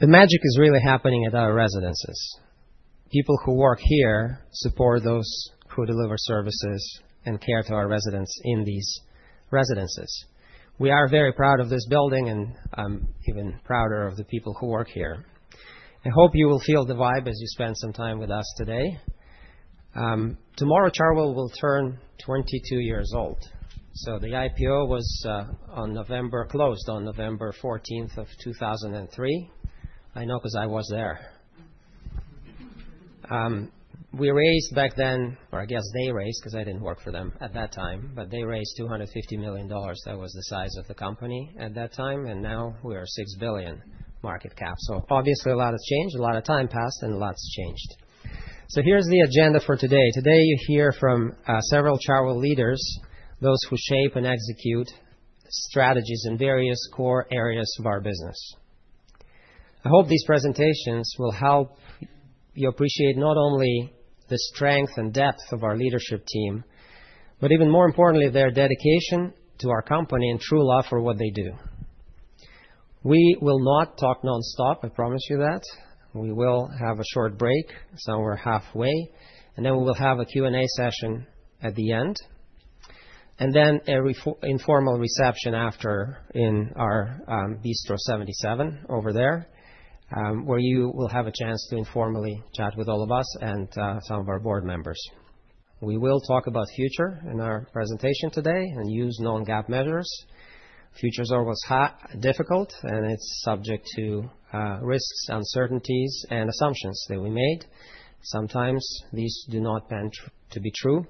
The magic is really happening at our residences. People who work here support those who deliver services and care to our residents in these residences. We are very proud of this building, and I'm even prouder of the people who work here. I hope you will feel the vibe as you spend some time with us today. Tomorrow, Chartwell will turn 22 years old. The IPO was closed on November 14, 2003. I know 'cause I was there. We raised back then, or I guess they raised, 'cause I didn't work for them at that time, but they raised 250 million dollars. That was the size of the company at that time, and now we are 6 billion market cap. Obviously, a lot has changed, a lot of time passed, and lots changed. Here's the agenda for today. Today, you hear from several Chartwell leaders, those who shape and execute strategies in various core areas of our business. I hope these presentations will help you appreciate not only the strength and depth of our leadership team, but even more importantly, their dedication to our company and true love for what they do. We will not talk nonstop, I promise you that. We will have a short break somewhere halfway, and then we will have a Q&A session at the end. Then an informal reception after in our Bistro 77 over there, where you will have a chance to informally chat with all of us and some of our board members. We will talk about future in our presentation today and use non-GAAP measures. Future's always difficult, and it's subject to risks, uncertainties, and assumptions that we made. Sometimes these do not pan out to be true.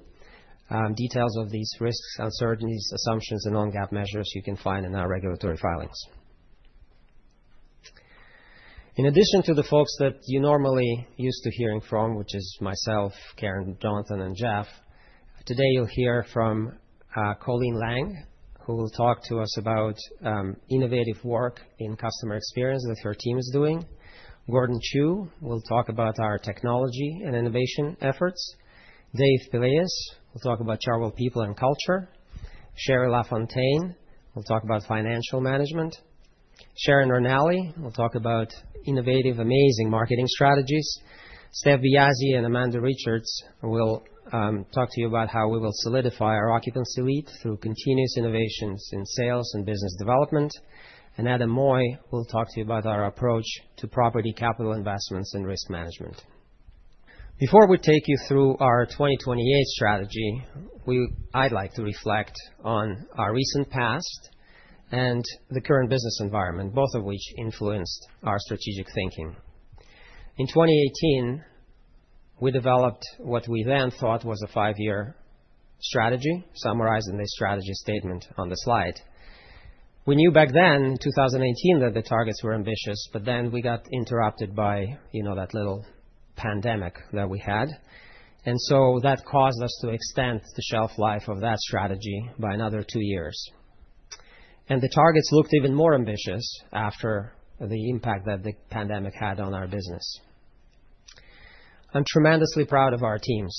Details of these risks, uncertainties, assumptions, and non-GAAP measures you can find in our regulatory filings. In addition to the folks that you normally used to hearing from, which is myself, Karen, Jonathan, and Jeff, today you'll hear from Colleen Laing, who will talk to us about innovative work in customer experience that her team is doing. Gordon Chiu will talk about our technology and innovation efforts. Dave Pielas will talk about Chartwell people and culture. Shari Lafontaine will talk about financial management. Sharon Ranalli will talk about innovative, amazing marketing strategies. Stef Biasi and Amanda Richards will talk to you about how we will solidify our occupancy lead through continuous innovations in sales and business development. Adam Moy will talk to you about our approach to property capital investments and risk management. Before we take you through our 2028 strategy, I'd like to reflect on our recent past and the current business environment, both of which influenced our strategic thinking. In 2018, we developed what we then thought was a five-year strategy, summarized in this strategy statement on the slide. We knew back then, in 2018, that the targets were ambitious, but then we got interrupted by, you know, that little pandemic that we had. that caused us to extend the shelf life of that strategy by another 2 years. The targets looked even more ambitious after the impact that the pandemic had on our business. I'm tremendously proud of our teams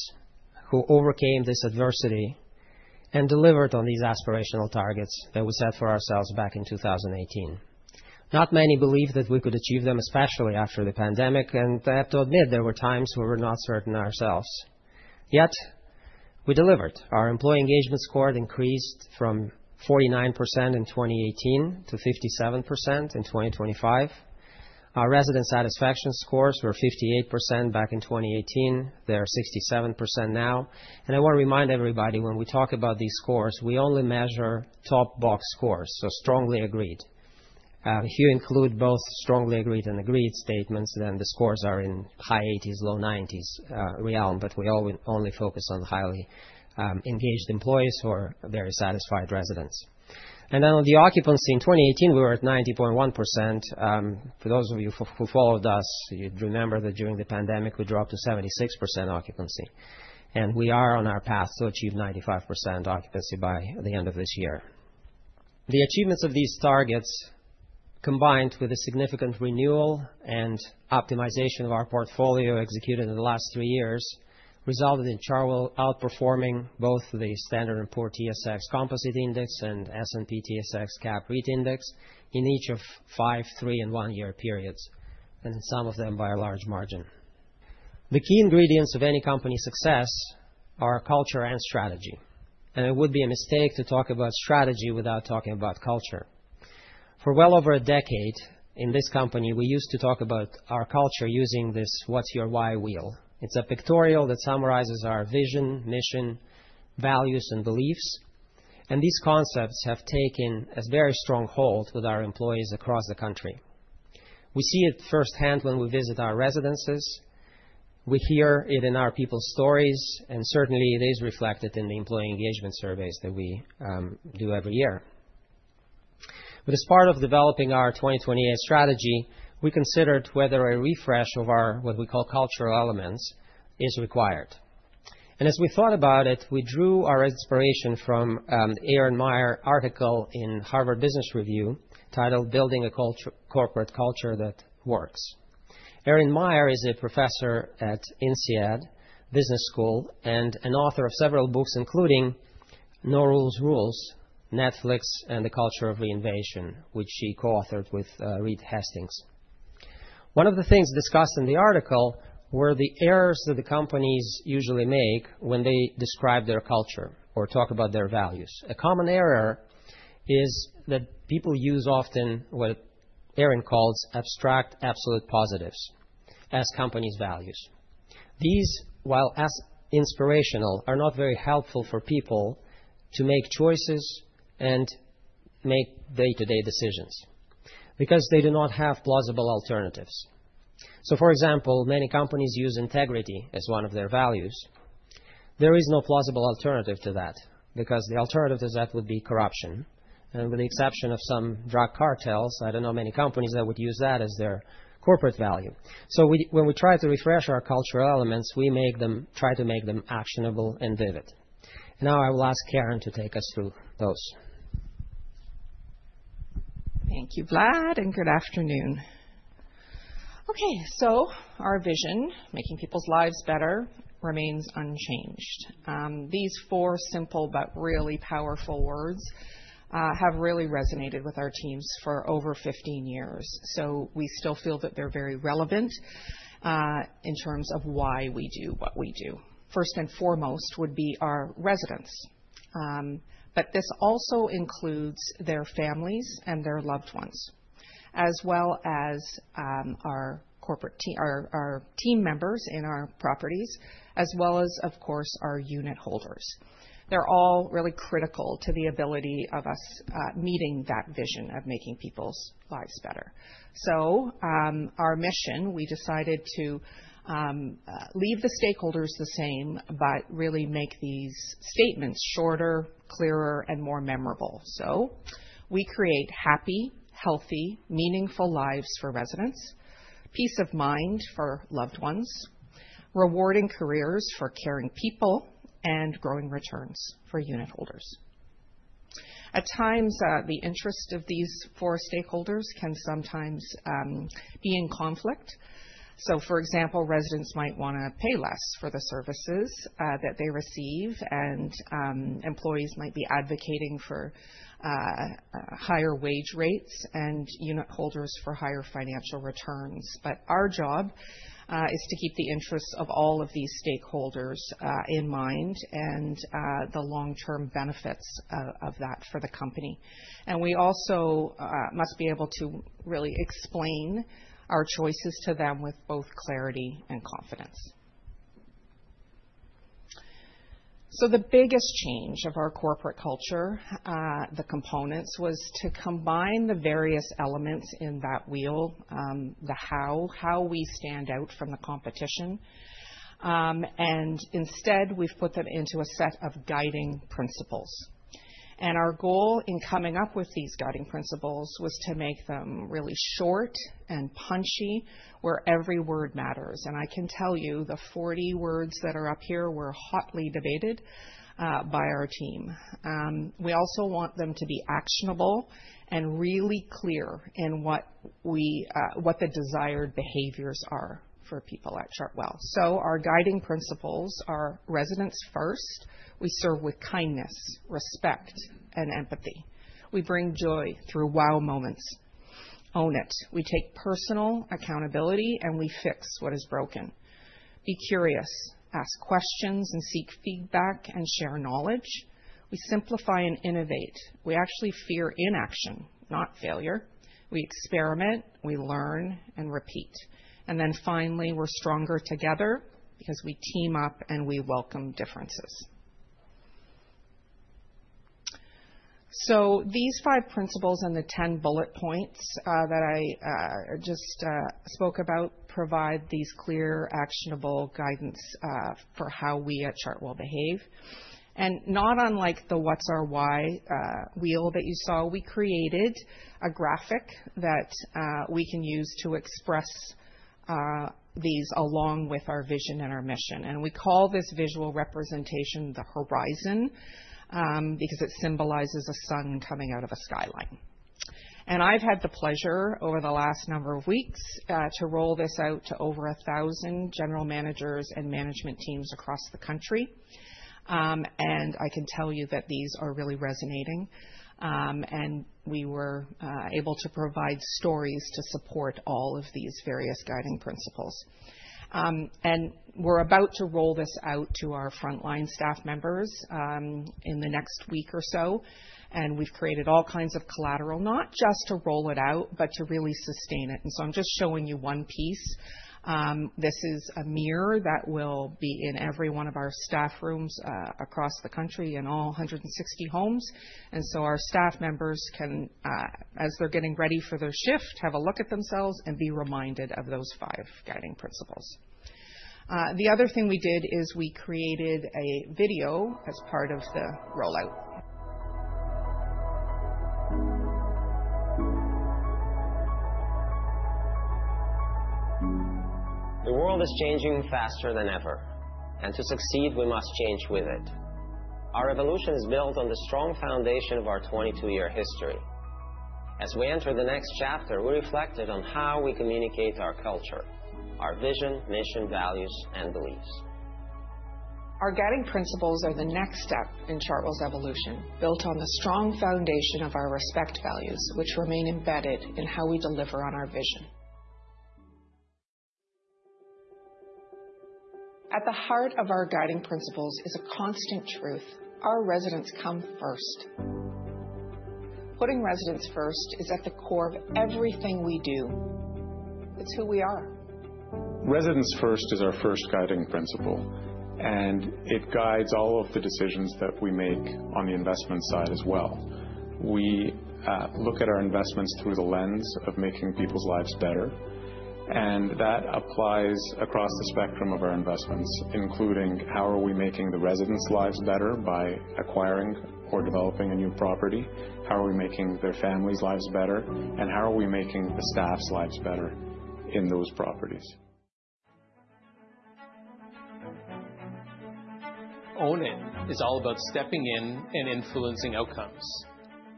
who overcame this adversity and delivered on these aspirational targets that we set for ourselves back in 2018. Not many believed that we could achieve them, especially after the pandemic, and I have to admit, there were times we were not certain ourselves. Yet we delivered. Our employee engagement score increased from 49% in 2018 to 57% in 2025. Our resident satisfaction scores were 58% back in 2018. They are 67% now. I wanna remind everybody, when we talk about these scores, we only measure top box scores, so strongly agreed. If you include both strongly agreed and agreed statements, then the scores are in high eighties, low nineties realm, but we only focus on highly engaged employees who are very satisfied residents. On the occupancy in 2018, we were at 90.1%. For those of you who followed us, you'd remember that during the pandemic, we dropped to 76% occupancy, and we are on our path to achieve 95% occupancy by the end of this year. The achievements of these targets, combined with a significant renewal and optimization of our portfolio executed in the last three years, resulted in Chartwell outperforming both the S&P/TSX Composite Index and S&P/TSX Capped REIT Index in each of 5-, 3-, and 1-year periods, and some of them by a large margin. The key ingredients of any company's success are culture and strategy, and it would be a mistake to talk about strategy without talking about culture. For well over a decade in this company, we used to talk about our culture using this What's Your Why wheel. It's a pictorial that summarizes our vision, mission, values, and beliefs, and these concepts have taken a very strong hold with our employees across the country. We see it firsthand when we visit our residences. We hear it in our people's stories, and certainly it is reflected in the employee engagement surveys that we do every year. As part of developing our 2028 strategy, we considered whether a refresh of our, what we call cultural elements, is required. As we thought about it, we drew our inspiration from Erin Meyer article in Harvard Business Review titled Building a Corporate Culture That Works. Erin Meyer is a professor at INSEAD Business School and an author of several books, including No Rules Rules: Netflix and the Culture of Reinvention, which she co-authored with Reed Hastings. One of the things discussed in the article were the errors that the companies usually make when they describe their culture or talk about their values. A common error is that people use often what Erin calls abstract absolute positives as company's values. These, while as inspirational, are not very helpful for people to make choices and make day-to-day decisions because they do not have plausible alternatives. For example, many companies use integrity as one of their values. There is no plausible alternative to that because the alternative to that would be corruption. With the exception of some drug cartels, I don't know many companies that would use that as their corporate value. When we try to refresh our cultural elements, we try to make them actionable and vivid. Now, I will ask Karen to take us through those. Thank you, Vlad, and good afternoon. Okay, our vision, making people's lives better, remains unchanged. These four simple but really powerful words have really resonated with our teams for over 15 years. We still feel that they're very relevant in terms of why we do what we do. First and foremost would be our residents. This also includes their families and their loved ones, as well as our corporate team, or our team members in our properties, as well as, of course, our unit holders. They're all really critical to the ability of us meeting that vision of making people's lives better. Our mission, we decided to leave the stakeholders the same, but really make these statements shorter, clearer, and more memorable. We create happy, healthy, meaningful lives for residents, peace of mind for loved ones, rewarding careers for caring people, and growing returns for unit holders. At times, the interest of these four stakeholders can sometimes be in conflict. For example, residents might wanna pay less for the services that they receive, and employees might be advocating for higher wage rates and unit holders for higher financial returns. Our job is to keep the interests of all of these stakeholders in mind and the long-term benefits of that for the company. We also must be able to really explain our choices to them with both clarity and confidence. The biggest change of our corporate culture, the components, was to combine the various elements in that wheel, how we stand out from the competition. Instead, we've put them into a set of guiding principles. Our goal in coming up with these guiding principles was to make them really short and punchy, where every word matters. I can tell you the 40 words that are up here were hotly debated by our team. We also want them to be actionable and really clear in what the desired behaviors are for people at Chartwell. Our guiding principles are residents first. We serve with kindness, respect, and empathy. We bring joy through wow moments. Own it. We take personal accountability, and we fix what is broken. Be curious. Ask questions, and seek feedback, and share knowledge. We simplify and innovate. We actually fear inaction, not failure. We experiment, we learn, and repeat. Finally, we're stronger together because we team up, and we welcome differences. These five principles and the 10 bullet points that I just spoke about provide these clear, actionable guidance for how we at Chartwell behave. Not unlike the what's our why wheel that you saw, we created a graphic that we can use to express these along with our vision and our mission. We call this visual representation the horizon because it symbolizes a sun coming out of a skyline. I've had the pleasure over the last number of weeks to roll this out to over 1,000 general managers and management teams across the country. I can tell you that these are really resonating. We were able to provide stories to support all of these various guiding principles. We're about to roll this out to our frontline staff members, in the next week or so, and we've created all kinds of collateral, not just to roll it out, but to really sustain it. I'm just showing you one piece. This is a mirror that will be in every one of our staff rooms, across the country in all 160 homes. Our staff members can, as they're getting ready for their shift, have a look at themselves and be reminded of those five guiding principles. The other thing we did is we created a video as part of the rollout. The world is changing faster than ever. To succeed, we must change with it. Our evolution is built on the strong foundation of our 22-year history. As we enter the next chapter, we reflected on how we communicate our culture, our vision, mission, values, and beliefs. Our guiding principles are the next step in Chartwell's evolution, built on the strong foundation of our respect values, which remain embedded in how we deliver on our vision. At the heart of our guiding principles is a constant truth, our residents come first. Putting residents first is at the core of everything we do. It's who we are. Residents First is our first guiding principle, and it guides all of the decisions that we make on the investment side as well. We look at our investments through the lens of making people's lives better, and that applies across the spectrum of our investments, including how are we making the residents' lives better by acquiring or developing a new property? How are we making their families' lives better, and how are we making the staff's lives better in those properties? Own It is all about stepping in and influencing outcomes.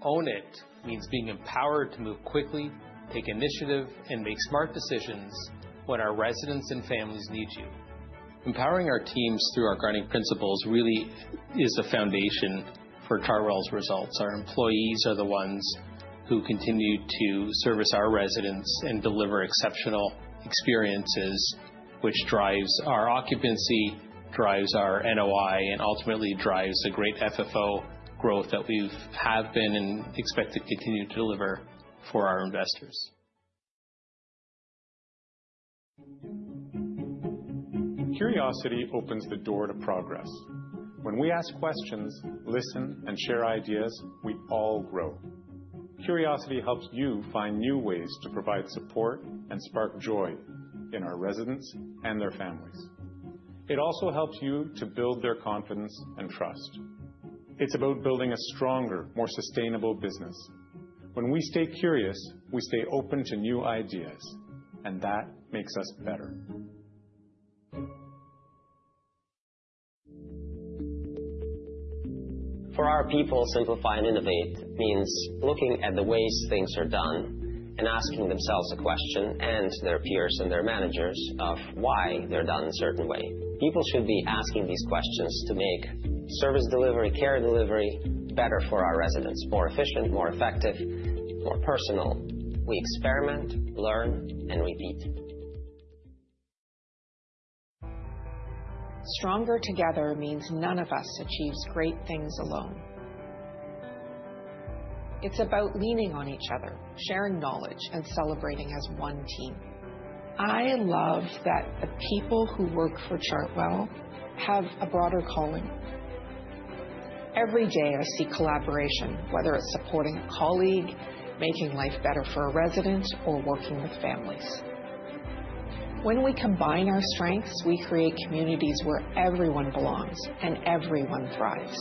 Own It means being empowered to move quickly, take initiative, and make smart decisions when our residents and families need you. Empowering our teams through our guiding principles really is the foundation for Chartwell's results. Our employees are the ones who continue to service our residents and deliver exceptional experiences, which drives our occupancy, drives our NOI, and ultimately drives a great FFO growth that we have been and expect to continue to deliver for our investors. Curiosity opens the door to progress. When we ask questions, listen, and share ideas, we all grow. Curiosity helps you find new ways to provide support and spark joy in our residents and their families. It also helps you to build their confidence and trust. It's about building a stronger, more sustainable business. When we stay curious, we stay open to new ideas, and that makes us better. For our people, Simplify and Innovate means looking at the ways things are done and asking themselves the question, and their peers, and their managers of why they're done a certain way. People should be asking these questions to make service delivery, care delivery better for our residents, more efficient, more effective, more personal. We experiment, learn, and repeat. Stronger Together means none of us achieves great things alone. It's about leaning on each other, sharing knowledge, and celebrating as one team. I love that the people who work for Chartwell have a broader calling. Every day, I see collaboration, whether it's supporting a colleague, making life better for a resident, or working with families. When we combine our strengths, we create communities where everyone belongs and everyone thrives.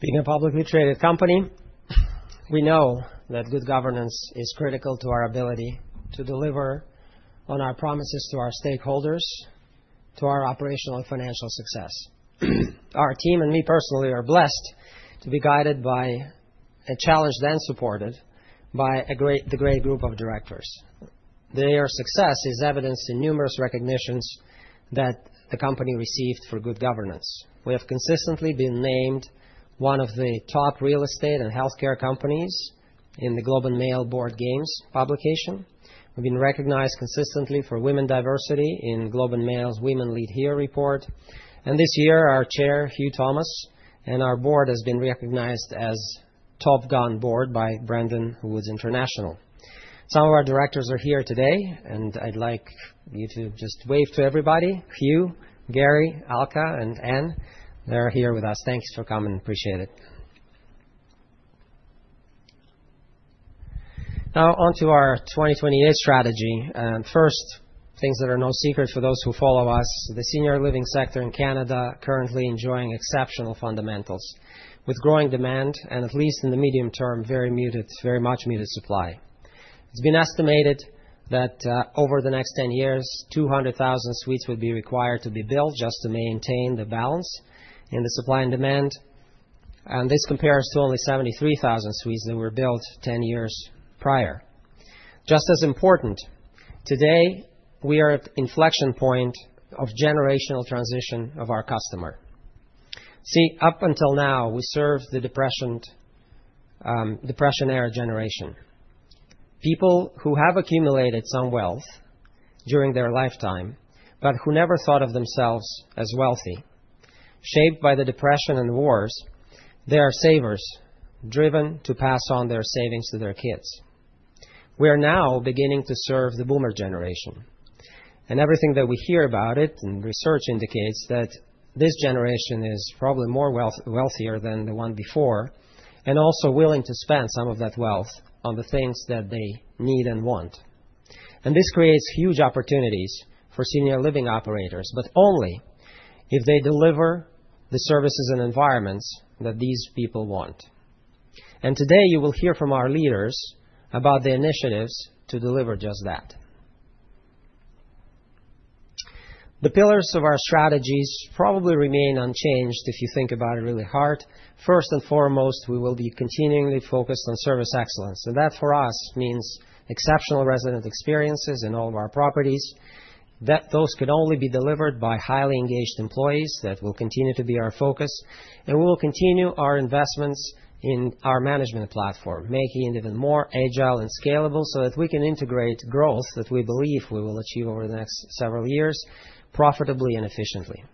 Being a publicly traded company, we know that good governance is critical to our ability to deliver on our promises to our stakeholders, to our operational and financial success. Our team, and me personally, are blessed to be guided by and challenged and supported by the great group of directors. Their success is evidenced in numerous recognitions that the company received for good governance. We have consistently been named one of the top real estate and healthcare companies in The Globe and Mail Board Games publication. We've been recognized consistently for women diversity in The Globe and Mail's Women Lead Here report. This year, our chair, Huw Thomas, and our board has been recognized as Top Gun Board by Brendan Wood International. Some of our directors are here today, and I'd like you to just wave to everybody, Huw, Gary, Alka, and Anne. They're here with us. Thanks for coming. Appreciate it. Now onto our 2028 strategy. First, things that are no secret for those who follow us. The senior living sector in Canada currently enjoying exceptional fundamentals with growing demand and at least in the medium term, very much muted supply. It's been estimated that, over the next 10 years, 200,000 suites will be required to be built just to maintain the balance in the supply and demand. This compares to only 73,000 suites that were built 10 years prior. Just as important, today, we are at inflection point of generational transition of our customer. See, up until now, we served the Depression-era generation. People who have accumulated some wealth during their lifetime, but who never thought of themselves as wealthy. Shaped by the Depression and wars, they are savers driven to pass on their savings to their kids. We are now beginning to serve the Boomer generation. Everything that we hear about it and research indicates that this generation is probably wealthier than the one before, and also willing to spend some of that wealth on the things that they need and want. This creates huge opportunities for senior living operators, but only if they deliver the services and environments that these people want. Today, you will hear from our leaders about the initiatives to deliver just that. The pillars of our strategies probably remain unchanged, if you think about it really hard. First and foremost, we will be continually focused on service excellence. That for us means exceptional resident experiences in all of our properties, that those could only be delivered by highly engaged employees. That will continue to be our focus, and we will continue our investments in our management platform, making it even more agile and scalable so that we can integrate growth that we believe we will achieve over the next several years profitably and efficiently.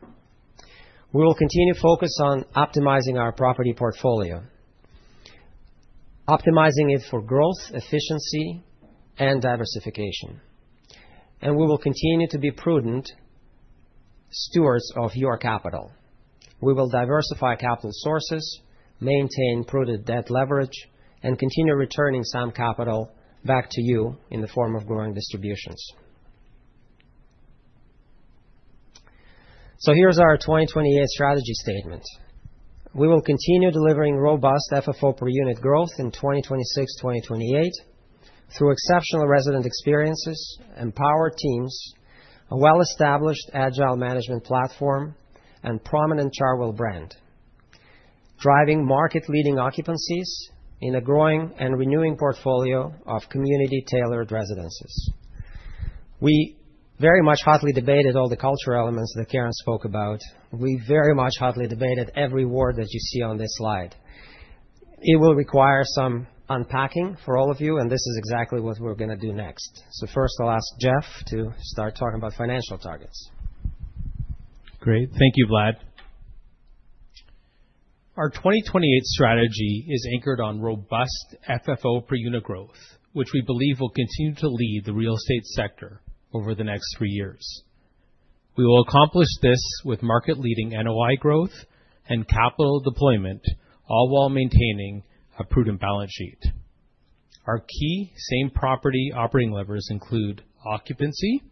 We will continue to focus on optimizing our property portfolio, optimizing it for growth, efficiency, and diversification. We will continue to be prudent stewards of your capital. We will diversify capital sources, maintain prudent debt leverage, and continue returning some capital back to you in the form of growing distributions. Here's our 2028 strategy statement. We will continue delivering robust FFO per unit growth in 2026, 2028 through exceptional resident experiences, empowered teams, a well-established agile management platform, and prominent Chartwell brand, driving market-leading occupancies in a growing and renewing portfolio of community-tailored residences. We very much hotly debated all the cultural elements that Karen spoke about. We very much hotly debated every word that you see on this slide. It will require some unpacking for all of you, and this is exactly what we're gonna do next. First, I'll ask Jeff to start talking about financial targets. Great. Thank you, Vlad. Our 2028 strategy is anchored on robust FFO per unit growth, which we believe will continue to lead the real estate sector over the next 3 years. We will accomplish this with market-leading NOI growth and capital deployment, all while maintaining a prudent balance sheet. Our key same property operating levers include occupancy,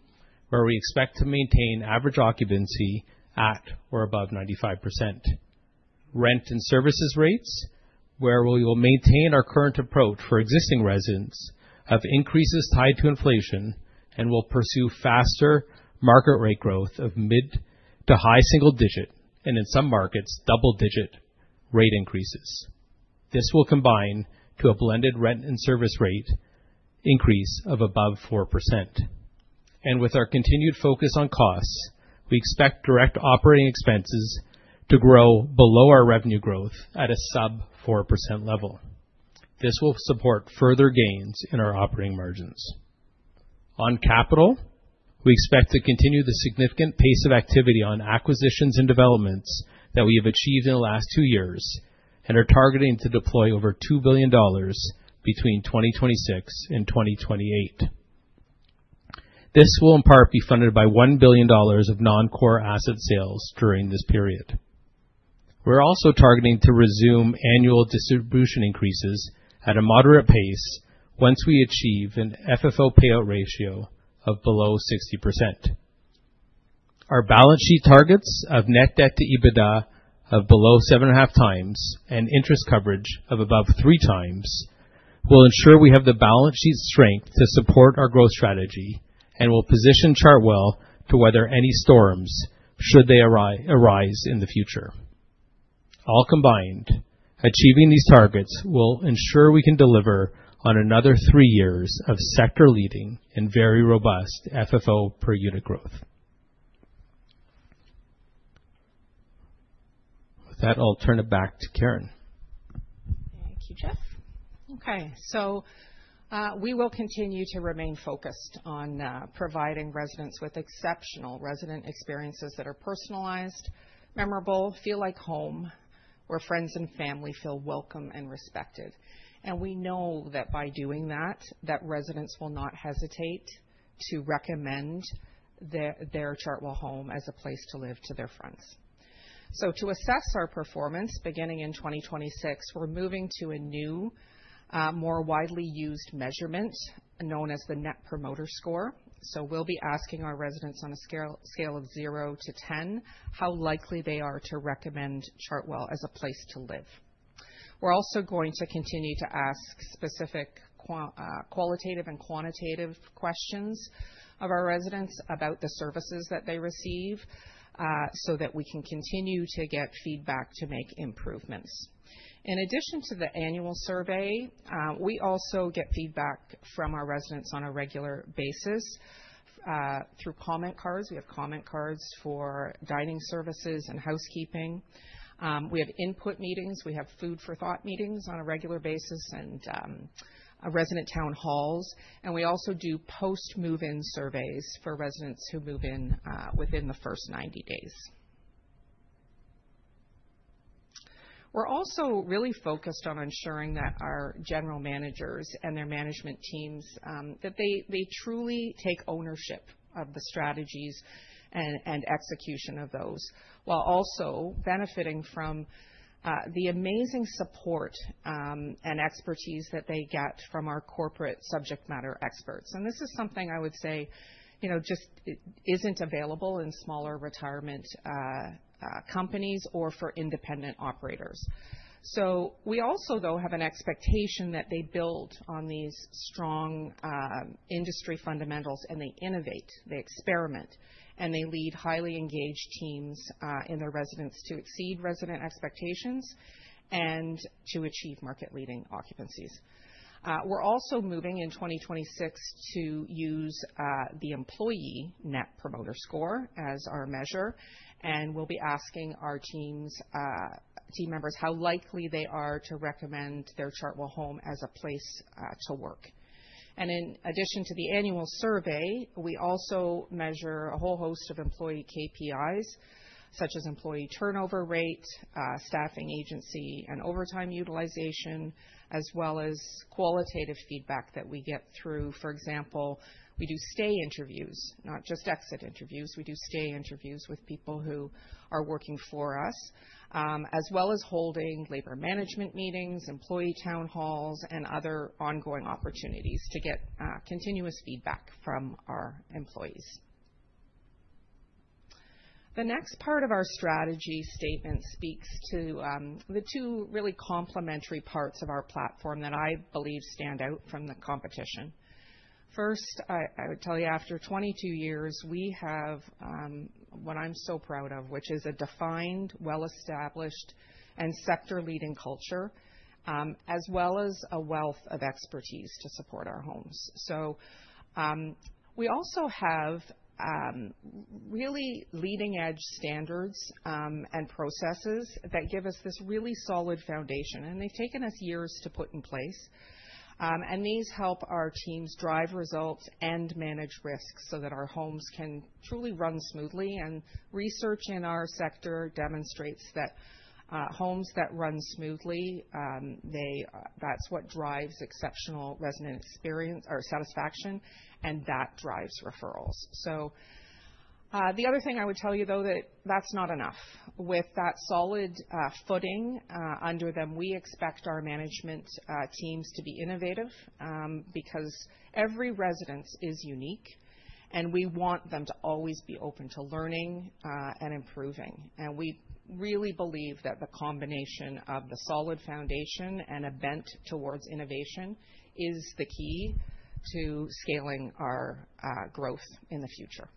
where we expect to maintain average occupancy at or above 95%. Rent and services rates, where we will maintain our current approach for existing residents of increases tied to inflation, and we'll pursue faster market rate growth of mid-to-high single digit, and in some markets, double-digit rate increases. This will combine to a blended rent and service rate increase of above 4%. With our continued focus on costs, we expect direct operating expenses to grow below our revenue growth at a sub-4% level. This will support further gains in our operating margins. On capital, we expect to continue the significant pace of activity on acquisitions and developments that we have achieved in the last 2 years and are targeting to deploy over 2 billion dollars between 2026 and 2028. This will in part be funded by 1 billion dollars of non-core asset sales during this period. We're also targeting to resume annual distribution increases at a moderate pace once we achieve an FFO payout ratio of below 60%. Our balance sheet targets of net debt to EBITDA of below 7.5 times and interest coverage of above 3 times will ensure we have the balance sheet strength to support our growth strategy and will position Chartwell to weather any storms should they arise in the future. All combined, achieving these targets will ensure we can deliver on another three years of sector-leading and very robust FFO per unit growth. With that, I'll turn it back to Karen. Thank you, Jeff. Okay, we will continue to remain focused on providing residents with exceptional resident experiences that are personalized, memorable, feel like home, where friends and family feel welcome and respected. We know that by doing that, residents will not hesitate to recommend their Chartwell home as a place to live to their friends. To assess our performance beginning in 2026, we're moving to a new, more widely used measurement known as the Net Promoter Score. We'll be asking our residents on a scale of 0 to 10 how likely they are to recommend Chartwell as a place to live. We're also going to continue to ask specific qualitative and quantitative questions of our residents about the services that they receive, so that we can continue to get feedback to make improvements. In addition to the annual survey, we also get feedback from our residents on a regular basis, through comment cards. We have comment cards for dining services and housekeeping. We have input meetings, we have food for thought meetings on a regular basis and, resident town halls, and we also do post-move-in surveys for residents who move in, within the first 90 days. We're also really focused on ensuring that our general managers and their management teams, that they truly take ownership of the strategies and execution of those, while also benefiting from, the amazing support, and expertise that they get from our corporate subject matter experts. This is something I would say, you know, just isn't available in smaller retirement, companies or for independent operators. We also, though, have an expectation that they build on these strong industry fundamentals, and they innovate, they experiment, and they lead highly engaged teams in their residences to exceed resident expectations and to achieve market-leading occupancies. We're also moving in 2026 to use the Employee Net Promoter Score as our measure, and we'll be asking our teams, team members, how likely they are to recommend their Chartwell home as a place to work. In addition to the annual survey, we also measure a whole host of employee KPIs, such as employee turnover rate, staffing agency and overtime utilization, as well as qualitative feedback that we get through. For example, we do stay interviews, not just exit interviews. We do stay interviews with people who are working for us, as well as holding labor management meetings, employee town halls, and other ongoing opportunities to get continuous feedback from our employees. The next part of our strategy statement speaks to the two really complementary parts of our platform that I believe stand out from the competition. First, I would tell you, after 22 years, we have what I'm so proud of, which is a defined, well-established and sector-leading culture, as well as a wealth of expertise to support our homes. We also have really leading edge standards and processes that give us this really solid foundation, and they've taken us years to put in place. These help our teams drive results and manage risks so that our homes can truly run smoothly. Research in our sector demonstrates that homes that run smoothly, that's what drives exceptional resident experience or satisfaction, and that drives referrals. The other thing I would tell you, though, that that's not enough. With that solid footing under them, we expect our management teams to be innovative, because every residence is unique, and we want them to always be open to learning and improving. We really believe that the combination of the solid foundation and a bent towards innovation is the key to scaling our growth in the future.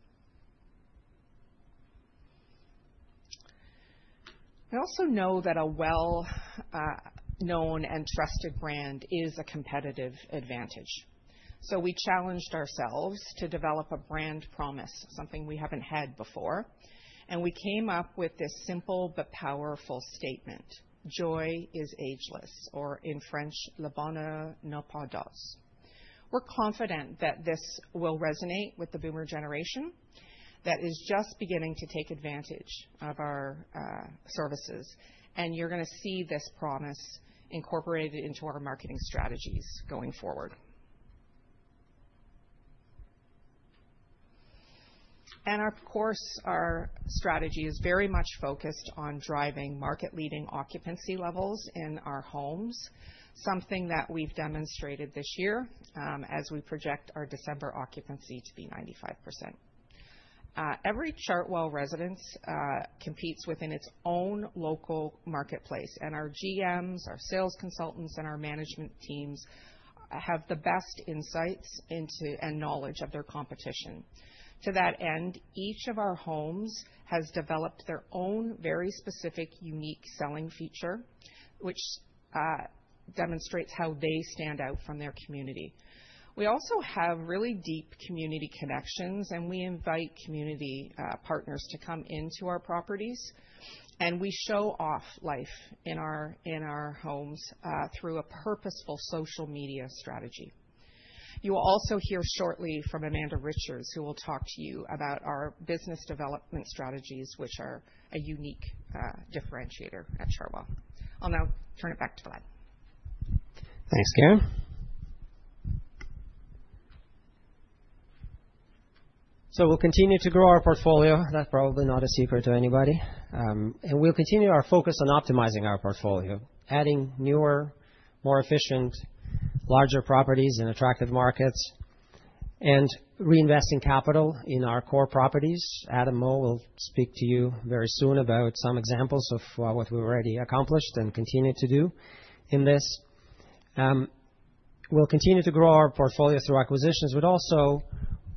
I also know that a well-known and trusted brand is a competitive advantage. We challenged ourselves to develop a brand promise, something we haven't had before, and we came up with this simple but powerful statement, Joy is Ageless, or in French, Le Bonheur n'a pas d'âge. We're confident that this will resonate with the boomer generation that is just beginning to take advantage of our services, and you're gonna see this promise incorporated into our marketing strategies going forward. Of course, our strategy is very much focused on driving market-leading occupancy levels in our homes, something that we've demonstrated this year, as we project our December occupancy to be 95%. Every Chartwell residence competes within its own local marketplace, and our GMs, our sales consultants, and our management teams have the best insights into and knowledge of their competition. To that end, each of our homes has developed their own very specific, unique selling feature, which demonstrates how they stand out from their community. We also have really deep community connections, and we invite community partners to come into our properties, and we show off life in our homes through a purposeful social media strategy. You will also hear shortly from Amanda Richards, who will talk to you about our business development strategies, which are a unique differentiator at Chartwell. I'll now turn it back to Vlad. Thanks, Karen. We'll continue to grow our portfolio. That's probably not a secret to anybody. We'll continue our focus on optimizing our portfolio, adding newer, more efficient, larger properties in attractive markets and reinvesting capital in our core properties. Adam Moy will speak to you very soon about some examples of what we've already accomplished and continue to do in this. We'll continue to grow our portfolio through acquisitions, but also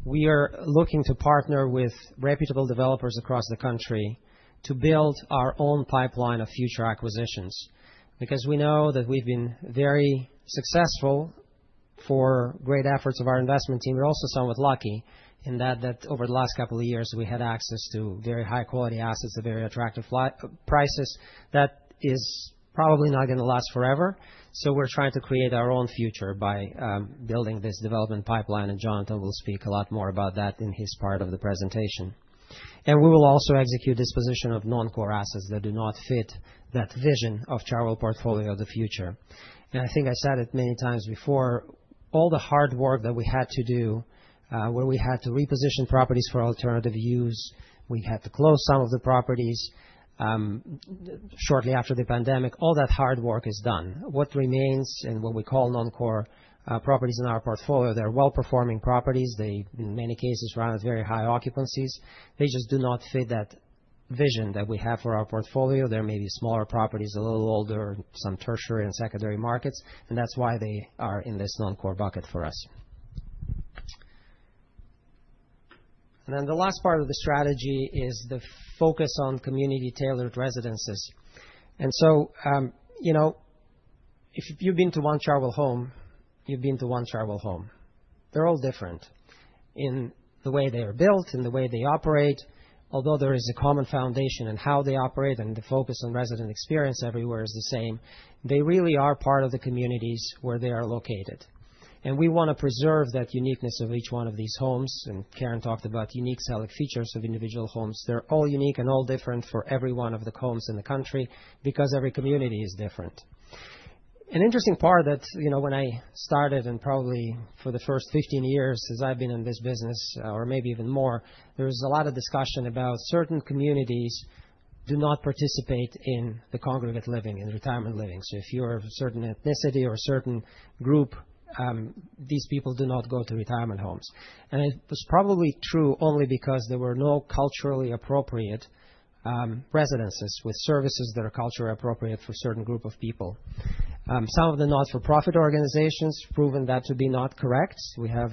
we are looking to partner with reputable developers across the country to build our own pipeline of future acquisitions. Because we know that we've been very successful. For great efforts of our investment team, we're also somewhat lucky in that that over the last couple of years, we had access to very high-quality assets at very attractive prices. That is probably not gonna last forever, so we're trying to create our own future by building this development pipeline, and Jonathan will speak a lot more about that in his part of the presentation. We will also execute disposition of non-core assets that do not fit that vision of Chartwell portfolio of the future. I think I said it many times before, all the hard work that we had to do, where we had to reposition properties for alternative use, we had to close some of the properties, shortly after the pandemic, all that hard work is done. What remains and what we call non-core properties in our portfolio, they're well-performing properties. They, in many cases, run at very high occupancies. They just do not fit that vision that we have for our portfolio. They may be smaller properties, a little older, some tertiary and secondary markets, and that's why they are in this non-core bucket for us. Then the last part of the strategy is the focus on community-tailored residences. You know, if you've been to one Chartwell home, you've been to one Chartwell home. They're all different in the way they are built, in the way they operate. Although there is a common foundation in how they operate and the focus on resident experience everywhere is the same, they really are part of the communities where they are located. We wanna preserve that uniqueness of each one of these homes, and Karen talked about unique selling features of individual homes. They're all unique and all different for every one of the homes in the country because every community is different. An interesting part that, you know, when I started, and probably for the first 15 years since I've been in this business or maybe even more, there was a lot of discussion about certain communities do not participate in the congregate living and retirement living. If you're of a certain ethnicity or a certain group, these people do not go to retirement homes. It was probably true only because there were no culturally appropriate, residences with services that are culturally appropriate for a certain group of people. Some of the not-for-profit organizations proven that to be not correct. We have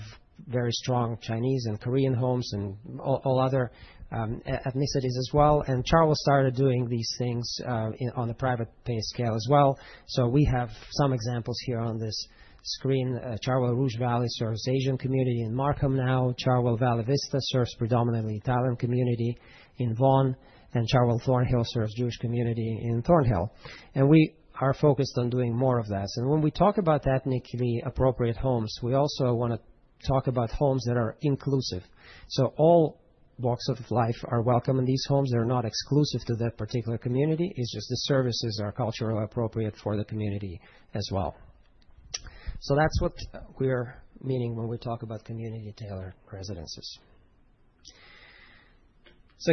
very strong Chinese and Korean homes and all other ethnicities as well, and Chartwell started doing these things, on a private pay scale as well. We have some examples here on this screen. Chartwell Rouge Valley serves Asian community in Markham now. Chartwell Valley Vista serves predominantly Italian community in Vaughan, and Chartwell Gibson Retirement Residence serves Jewish community in Thornhill. We are focused on doing more of that. When we talk about ethnically appropriate homes, we also wanna talk about homes that are inclusive. All walks of life are welcome in these homes. They're not exclusive to that particular community. It's just the services are culturally appropriate for the community as well. That's what we're meaning when we talk about community-tailored residences.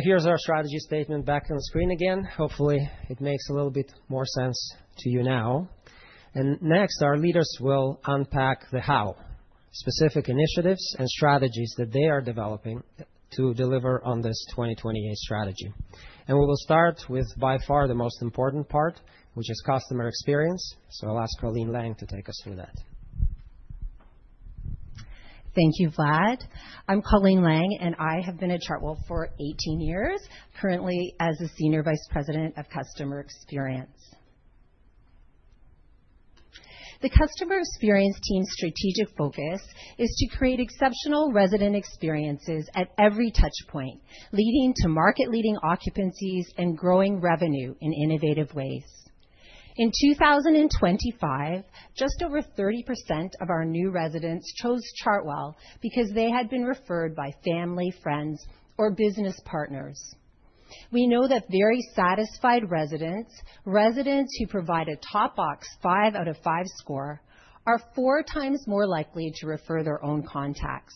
Here's our strategy statement back on screen again. Hopefully, it makes a little bit more sense to you now. Next, our leaders will unpack the how, specific initiatives and strategies that they are developing to deliver on this 2028 strategy. We will start with by far the most important part, which is customer experience. I'll ask Colleen Laing to take us through that. Thank you, Vlad. I'm Colleen Laing, and I have been at Chartwell for 18 years, currently as a Senior Vice President of Customer Experience. The customer experience team's strategic focus is to create exceptional resident experiences at every touch point, leading to market-leading occupancies and growing revenue in innovative ways. In 2025, just over 30% of our new residents chose Chartwell because they had been referred by family, friends, or business partners. We know that very satisfied residents who provide a top box 5 out of 5 score, are four times more likely to refer their own contacts.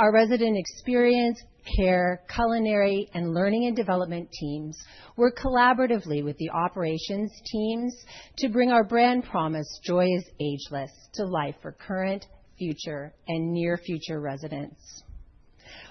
Our resident experience, care, culinary, and learning and development teams work collaboratively with the operations teams to bring our brand promise, Joy is Ageless, to life for current, future, and near future residents.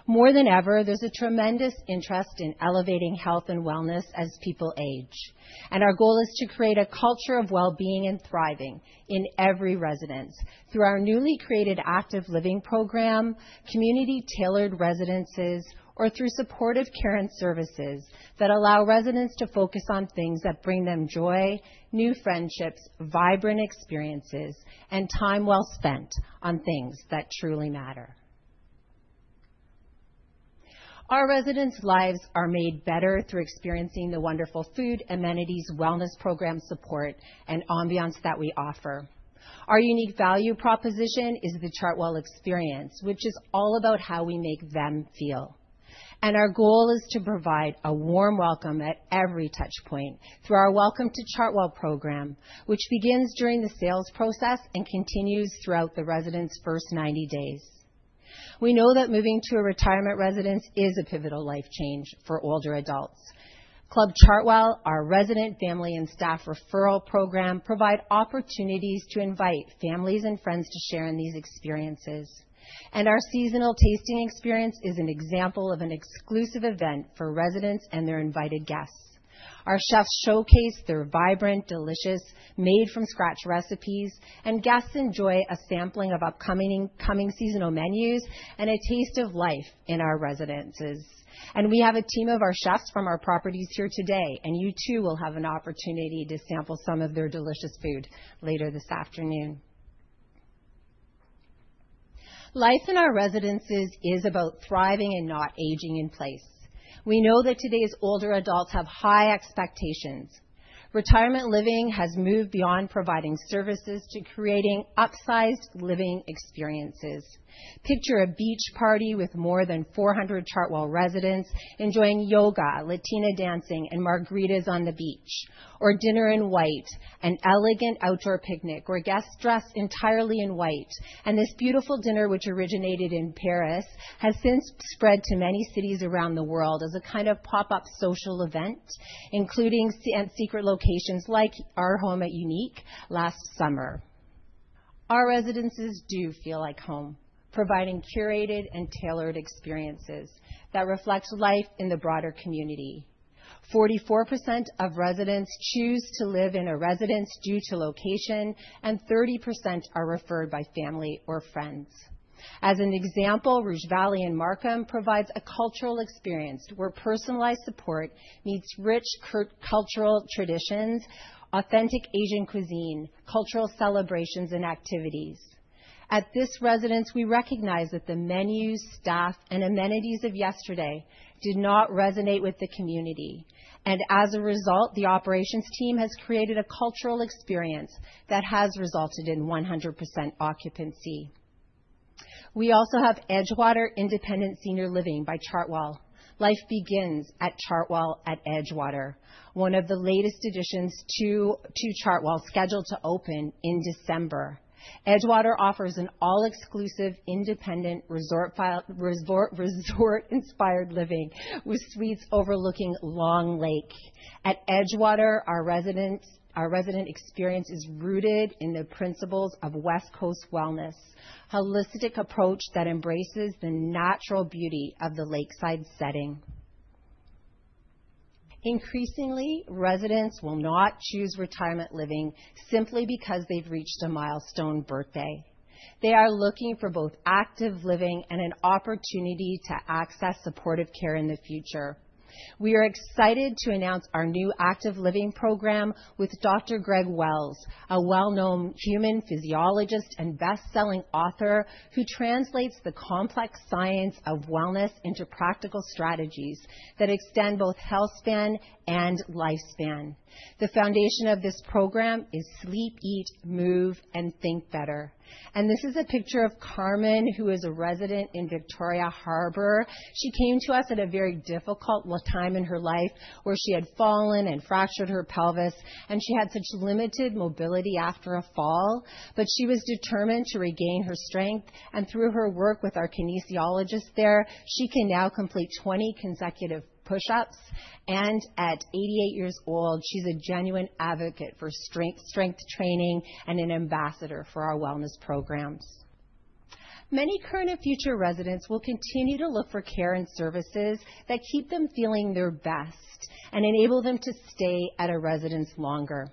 More than ever, there's a tremendous interest in elevating health and wellness as people age, and our goal is to create a culture of well-being and thriving in every residence through our newly created Active Living program, community-tailored residences, or through supportive care and services that allow residents to focus on things that bring them joy, new friendships, vibrant experiences, and time well spent on things that truly matter. Our residents' lives are made better through experiencing the wonderful food, amenities, wellness program support, and ambiance that we offer. Our unique value proposition is the Chartwell experience, which is all about how we make them feel. Our goal is to provide a warm welcome at every touch point through our Welcome to Chartwell program, which begins during the sales process and continues throughout the resident's first 90 days. We know that moving to a retirement residence is a pivotal life change for older adults. Club Chartwell, our resident family and staff referral program, provide opportunities to invite families and friends to share in these experiences. Our seasonal tasting experience is an example of an exclusive event for residents and their invited guests. Our chefs showcase their vibrant, delicious, made from scratch recipes, and guests enjoy a sampling of upcoming seasonal menus and a taste of life in our residences. We have a team of our chefs from our properties here today, and you too will have an opportunity to sample some of their delicious food later this afternoon. Life in our residences is about thriving and not aging in place. We know that today's older adults have high expectations. Retirement living has moved beyond providing services to creating upsized living experiences. Picture a beach party with more than 400 Chartwell residents enjoying yoga, Latina dancing, and margaritas on the beach. Dinner in white, an elegant outdoor picnic where guests dress entirely in white. This beautiful dinner, which originated in Paris, has since spread to many cities around the world as a kind of pop-up social event, including at secret locations like our home at L'Unique last summer. Our residences do feel like home, providing curated and tailored experiences that reflect life in the broader community. 44% of residents choose to live in a residence due to location, and 30% are referred by family or friends. As an example, Rouge Valley in Markham provides a cultural experience where personalized support meets rich cultural traditions, authentic Asian cuisine, cultural celebrations, and activities. At this residence, we recognize that the menus, staff, and amenities of yesterday did not resonate with the community. As a result, the operations team has created a cultural experience that has resulted in 100% occupancy. We also have Edgewater by Chartwell. Life begins at Chartwell at Edgewater, one of the latest additions to Chartwell, scheduled to open in December. Edgewater offers an all-exclusive, independent resort-inspired living with suites overlooking Long Lake. At Edgewater, our resident experience is rooted in the principles of West Coast wellness, holistic approach that embraces the natural beauty of the lakeside setting. Increasingly, residents will not choose retirement living simply because they've reached a milestone birthday. They are looking for both Active Living and an opportunity to access supportive care in the future. We are excited to announce our new Active Living program with Dr. Greg Wells, a well-known human physiologist and best-selling author who translates the complex science of wellness into practical strategies that extend both health span and lifespan. The foundation of this program is sleep, eat, move, and think better. This is a picture of Carmen, who is a resident in Victoria Harbour. She came to us at a very difficult time in her life where she had fallen and fractured her pelvis, and she had such limited mobility after a fall. She was determined to regain her strength, and through her work with our kinesiologist there, she can now complete 20 consecutive push-ups. At 88 years old, she's a genuine advocate for strength training and an ambassador for our wellness programs. Many current and future residents will continue to look for care and services that keep them feeling their best and enable them to stay at a residence longer.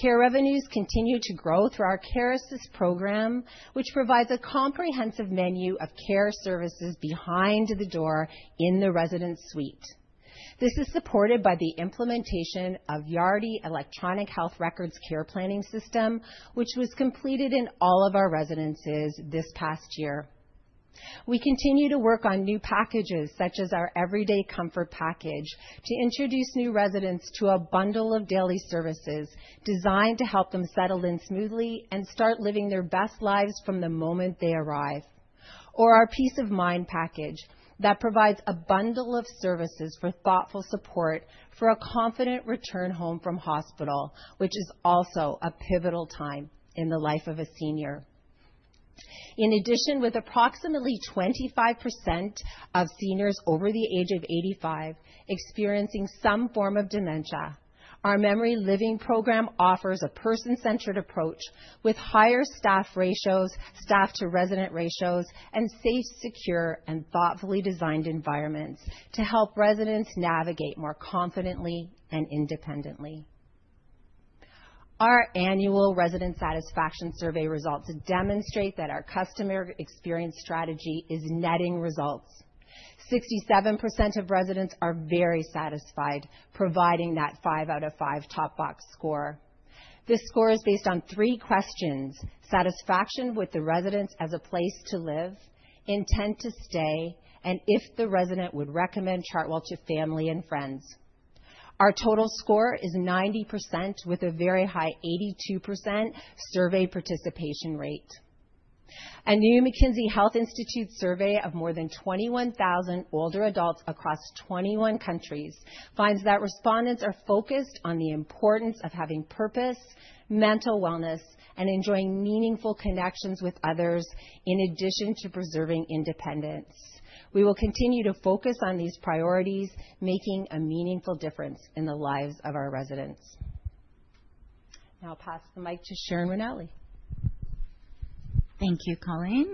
Care revenues continue to grow through our CareAssist program, which provides a comprehensive menu of care services behind the door in the resident suite. This is supported by the implementation of Yardi EHR Care Planning system, which was completed in all of our residences this past year. We continue to work on new packages, such as our Everyday Comfort package, to introduce new residents to a bundle of daily services designed to help them settle in smoothly and start living their best lives from the moment they arrive. Our Peace of Mind package that provides a bundle of services for thoughtful support for a confident return home from hospital, which is also a pivotal time in the life of a senior. In addition, with approximately 25% of seniors over the age of 85 experiencing some form of dementia, our Memory Living program offers a person-centered approach with higher staff ratios, staff-to-resident ratios, and safe, secure, and thoughtfully designed environments to help residents navigate more confidently and independently. Our annual resident satisfaction survey results demonstrate that our customer experience strategy is netting results. 67% of residents are very satisfied providing that five out of five top box score. This score is based on three questions, satisfaction with the residence as a place to live, intent to stay, and if the resident would recommend Chartwell to family and friends. Our total score is 90% with a very high 82% survey participation rate. A new McKinsey Health Institute survey of more than 21,000 older adults across 21 countries finds that respondents are focused on the importance of having purpose, mental wellness, and enjoying meaningful connections with others in addition to preserving independence. We will continue to focus on these priorities, making a meaningful difference in the lives of our residents. Now I'll pass the mic to Sharon Ranalli. Thank you, Colleen.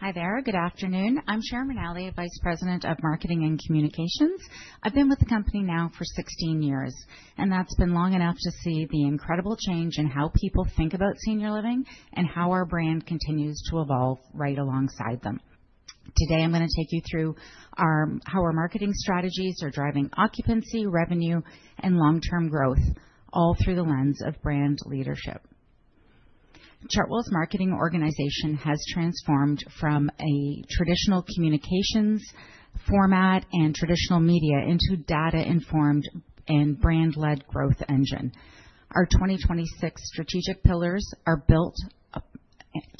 Hi there. Good afternoon. I'm Sharon Ranalli, Vice President of Marketing and Communications. I've been with the company now for 16 years, and that's been long enough to see the incredible change in how people think about senior living and how our brand continues to evolve right alongside them. Today, I'm gonna take you through how our marketing strategies are driving occupancy, revenue, and long-term growth, all through the lens of brand leadership. Chartwell's marketing organization has transformed from a traditional communications format and traditional media into data-informed and brand-led growth engine. Our 2026 strategic pillars are built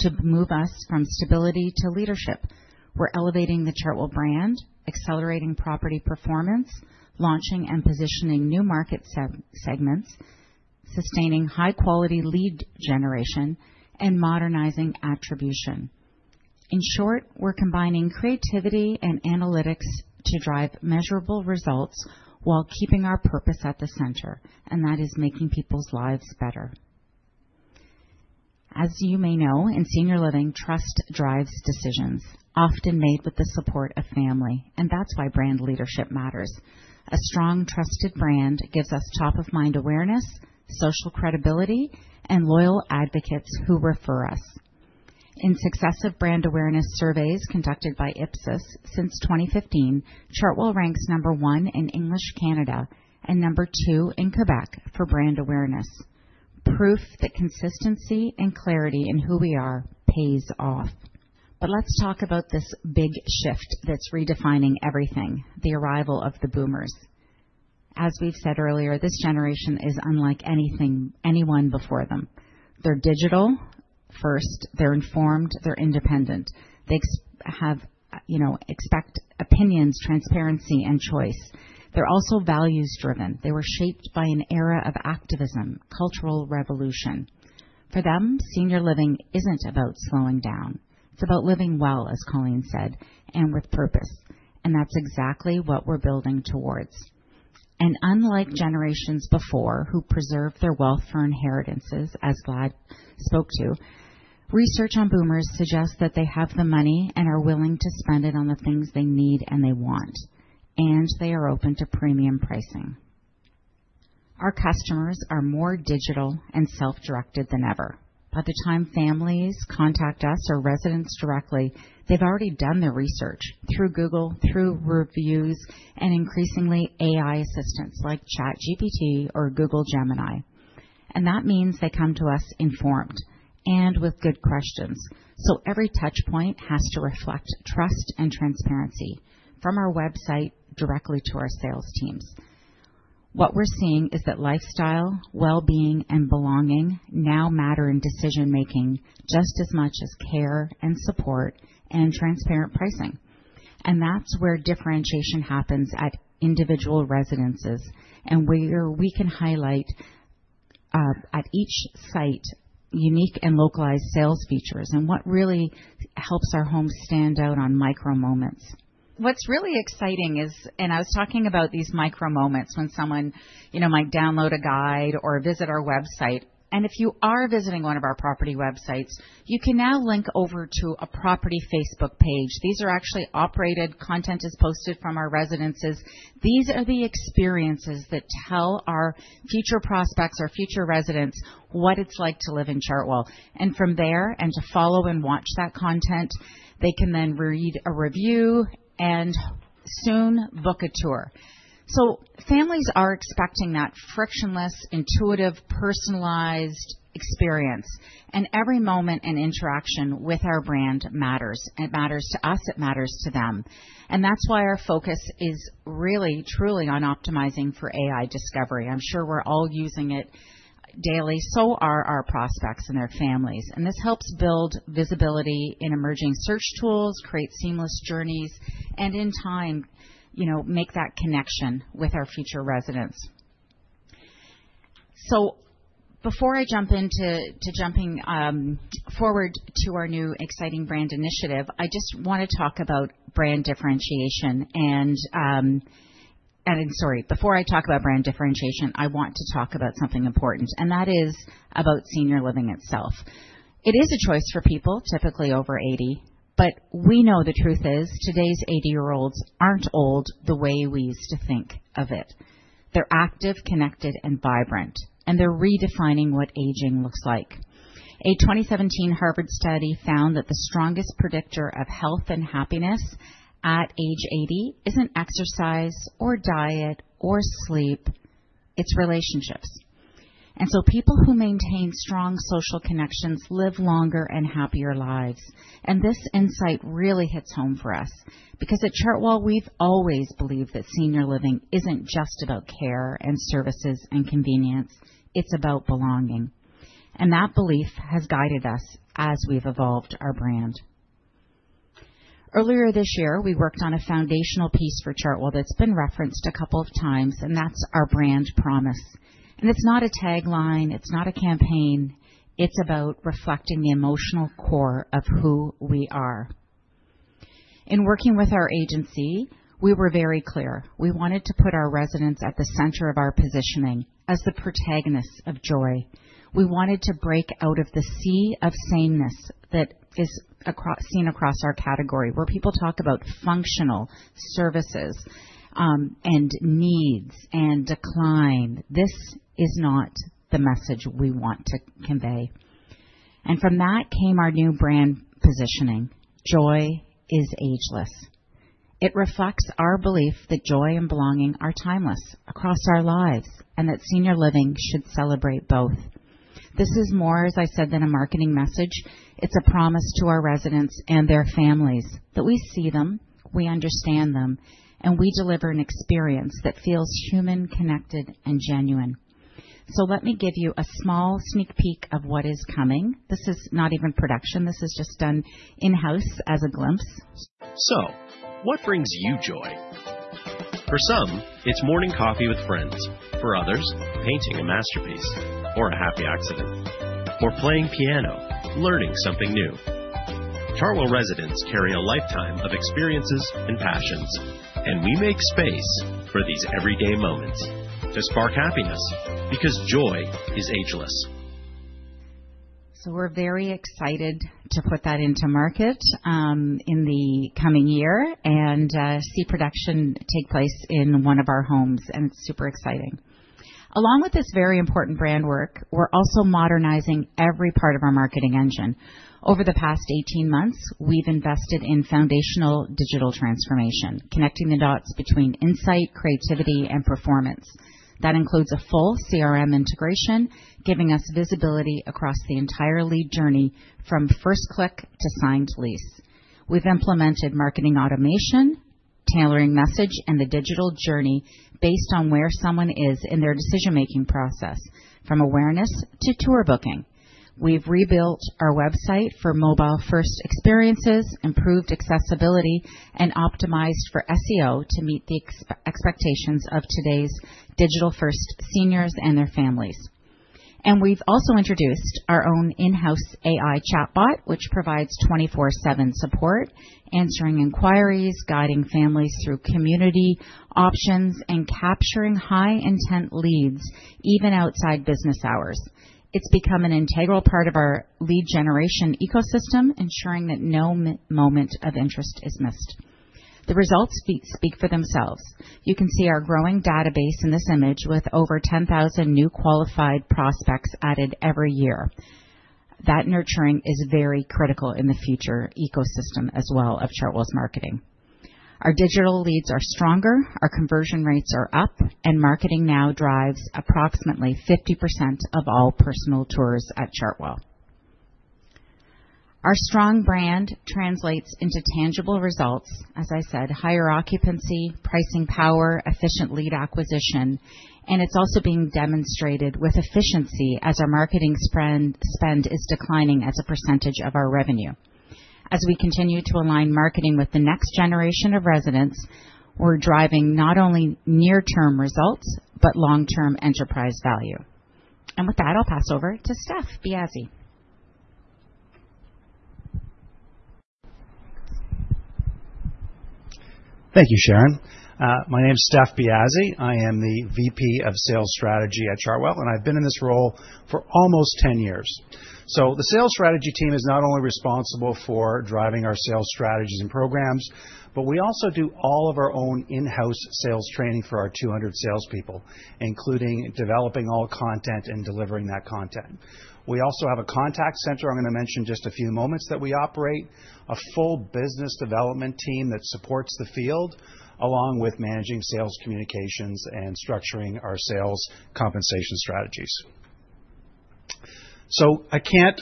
to move us from stability to leadership. We're elevating the Chartwell brand, accelerating property performance, launching and positioning new market segments, sustaining high-quality lead generation, and modernizing attribution. In short, we're combining creativity and analytics to drive measurable results while keeping our purpose at the center, and that is making people's lives better. As you may know, in senior living, trust drives decisions, often made with the support of family, and that's why brand leadership matters. A strong, trusted brand gives us top-of-mind awareness, social credibility, and loyal advocates who refer us. In successive brand awareness surveys conducted by Ipsos since 2015, Chartwell ranks number 1 in English Canada, and number 2 in Quebec for brand awareness. Proof that consistency and clarity in who we are pays off. Let's talk about this big shift that's redefining everything, the arrival of the boomers. As we've said earlier, this generation is unlike anyone before them. They're digital first. They're informed. They're independent. They expect, you know, opinions, transparency, and choice. They're also values-driven. They were shaped by an era of activism, cultural revolution. For them, senior living isn't about slowing down. It's about living well, as Colleen said, and with purpose, and that's exactly what we're building towards. Unlike generations before who preserve their wealth for inheritances, as Vlad spoke to, research on boomers suggests that they have the money and are willing to spend it on the things they need and they want, and they are open to premium pricing. Our customers are more digital and self-directed than ever. By the time families contact us or residents directly, they've already done their research through Google, through reviews, and increasingly AI assistants like ChatGPT or Google Gemini. That means they come to us informed and with good questions. Every touchpoint has to reflect trust and transparency from our website directly to our sales teams. What we're seeing is that lifestyle, well-being, and belonging now matter in decision-making just as much as care and support and transparent pricing. That's where differentiation happens at individual residences and where we can highlight, at each site unique and localized sales features and what really helps our home stand out on micro-moments. What's really exciting is. I was talking about these micro-moments when someone, you know, might download a guide or visit our website. If you are visiting one of our property websites, you can now link over to a property Facebook page. These are actually operated. Content is posted from our residences. These are the experiences that tell our future prospects or future residents what it's like to live in Chartwell. From there, and to follow and watch that content, they can then read a review and soon book a tour. Families are expecting that frictionless, intuitive, personalized experience, and every moment and interaction with our brand matters. It matters to us. It matters to them. That's why our focus is really truly on optimizing for AI discovery. I'm sure we're all using it daily, so are our prospects and their families. This helps build visibility in emerging search tools, create seamless journeys, and in time, you know, make that connection with our future residents. Before I jump forward to our new exciting brand initiative, I just wanna talk about brand differentiation. Before I talk about brand differentiation, I want to talk about something important, and that is about senior living itself. It is a choice for people, typically over 80, but we know the truth is today's 80-year-olds aren't old the way we used to think of it. They're active, connected, and vibrant, and they're redefining what aging looks like. A 2017 Harvard study found that the strongest predictor of health and happiness at age 80 isn't exercise or diet or sleep, it's relationships. People who maintain strong social connections live longer and happier lives. This insight really hits home for us because at Chartwell, we've always believed that senior living isn't just about care and services and convenience, it's about belonging. That belief has guided us as we've evolved our brand. Earlier this year, we worked on a foundational piece for Chartwell that's been referenced a couple of times, and that's our brand promise. It's not a tagline, it's not a campaign. It's about reflecting the emotional core of who we are. In working with our agency, we were very clear. We wanted to put our residents at the center of our positioning as the protagonists of joy. We wanted to break out of the sea of sameness that is seen across our category, where people talk about functional services, and needs and decline. This is not the message we want to convey. From that came our new brand positioning: Joy is Ageless. It reflects our belief that joy and belonging are timeless across our lives, and that senior living should celebrate both. This is more, as I said, than a marketing message. It's a promise to our residents and their families that we see them, we understand them, and we deliver an experience that feels human, connected, and genuine. Let me give you a small sneak peek of what is coming. This is not even production. This is just done in-house as a glimpse. What brings you joy? For some, it's morning coffee with friends, for others, painting a masterpiece or a happy accident, or playing piano, learning something new. Chartwell residents carry a lifetime of experiences and passions, and we make space for these everyday moments to spark happiness because Joy is Ageless. We're very excited to put that into market in the coming year and see production take place in one of our homes, and it's super exciting. Along with this very important brand work, we're also modernizing every part of our marketing engine. Over the past 18 months, we've invested in foundational digital transformation, connecting the dots between insight, creativity, and performance. That includes a full CRM integration, giving us visibility across the entire lead journey from first click to signed lease. We've implemented marketing automation, tailoring message, and the digital journey based on where someone is in their decision-making process, from awareness to tour booking. We've rebuilt our website for mobile-first experiences, improved accessibility, and optimized for SEO to meet the expectations of today's digital-first seniors and their families. We've also introduced our own in-house AI chatbot, which provides 24/7 support, answering inquiries, guiding families through community options, and capturing high intent leads even outside business hours. It's become an integral part of our lead generation ecosystem, ensuring that no moment of interest is missed. The results speak for themselves. You can see our growing database in this image with over 10,000 new qualified prospects added every year. That nurturing is very critical in the future ecosystem as well of Chartwell's marketing. Our digital leads are stronger, our conversion rates are up, and marketing now drives approximately 50% of all personal tours at Chartwell. Our strong brand translates into tangible results. As I said, higher occupancy, pricing power, efficient lead acquisition, and it's also being demonstrated with efficiency as our marketing spend is declining as a percentage of our revenue. As we continue to align marketing with the next generation of residents, we're driving not only near-term results, but long-term enterprise value. With that, I'll pass over to Stef Biasi. Thank you, Sharon. My name is Stef Biasi. I am the VP of Sales Strategy at Chartwell, and I've been in this role for almost 10 years. The sales strategy team is not only responsible for driving our sales strategies and programs, but we also do all of our own in-house sales training for our 200 salespeople, including developing all content and delivering that content. We also have a contact center I'm gonna mention just a few moments that we operate, a full business development team that supports the field, along with managing sales communications and structuring our sales compensation strategies. I can't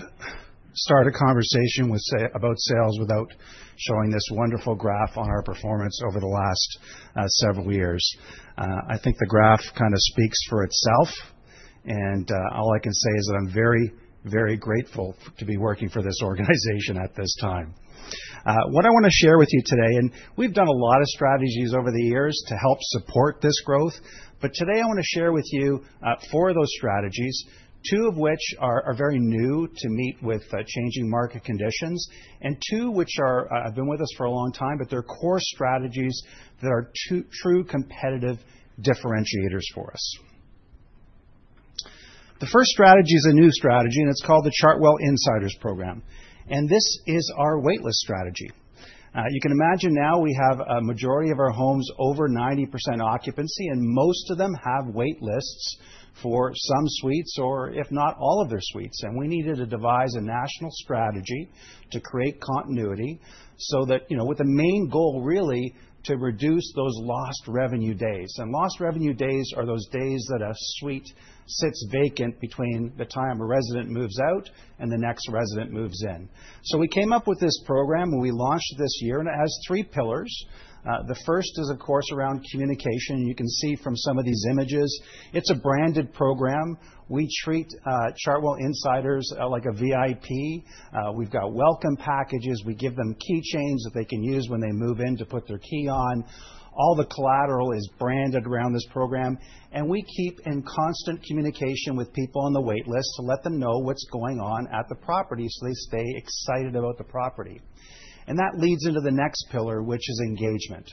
start a conversation about sales without showing this wonderful graph on our performance over the last several years. I think the graph kind of speaks for itself, and all I can say is that I'm very, very grateful to be working for this organization at this time. What I wanna share with you today. We've done a lot of strategies over the years to help support this growth. Today, I wanna share with you four of those strategies, two of which are very new to meet with changing market conditions, and two which have been with us for a long time, but they're core strategies that are true competitive differentiators for us. The first strategy is a new strategy, and it's called the Chartwell Insiders program, and this is our waitlist strategy. You can imagine now we have a majority of our homes over 90% occupancy, and most of them have wait lists for some suites or if not all of their suites. We needed to devise a national strategy to create continuity so that, you know, with the main goal really to reduce those lost revenue days. Lost revenue days are those days that a suite sits vacant between the time a resident moves out and the next resident moves in. We came up with this program, and we launched this year, and it has three pillars. The first is, of course, around communication. You can see from some of these images, it's a branded program. We treat Chartwell Insiders like a VIP. We've got welcome packages. We give them key chains that they can use when they move in to put their key on. All the collateral is branded around this program, and we keep in constant communication with people on the wait list to let them know what's going on at the property so they stay excited about the property. That leads into the next pillar, which is engagement.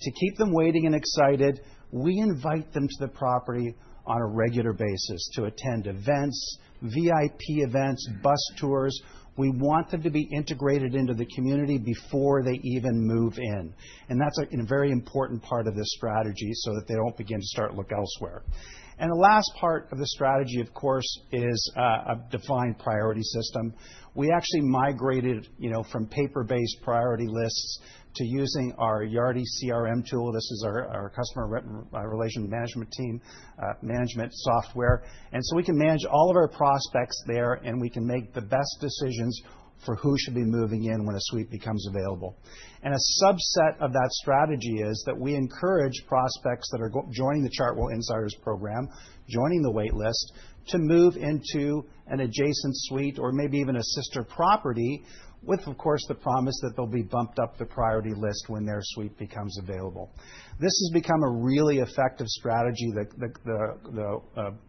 To keep them waiting and excited, we invite them to the property on a regular basis to attend events, VIP events, bus tours. We want them to be integrated into the community before they even move in. That's, again, a very important part of this strategy so that they don't begin to start looking elsewhere. The last part of the strategy, of course, is a defined priority system. We actually migrated, you know, from paper-based priority lists to using our Yardi CRM. This is our customer relationship management software. We can manage all of our prospects there, and we can make the best decisions for who should be moving in when a suite becomes available. A subset of that strategy is that we encourage prospects that are joining the Chartwell Insiders program, joining the wait list, to move into an adjacent suite or maybe even a sister property with, of course, the promise that they'll be bumped up the priority list when their suite becomes available. This has become a really effective strategy.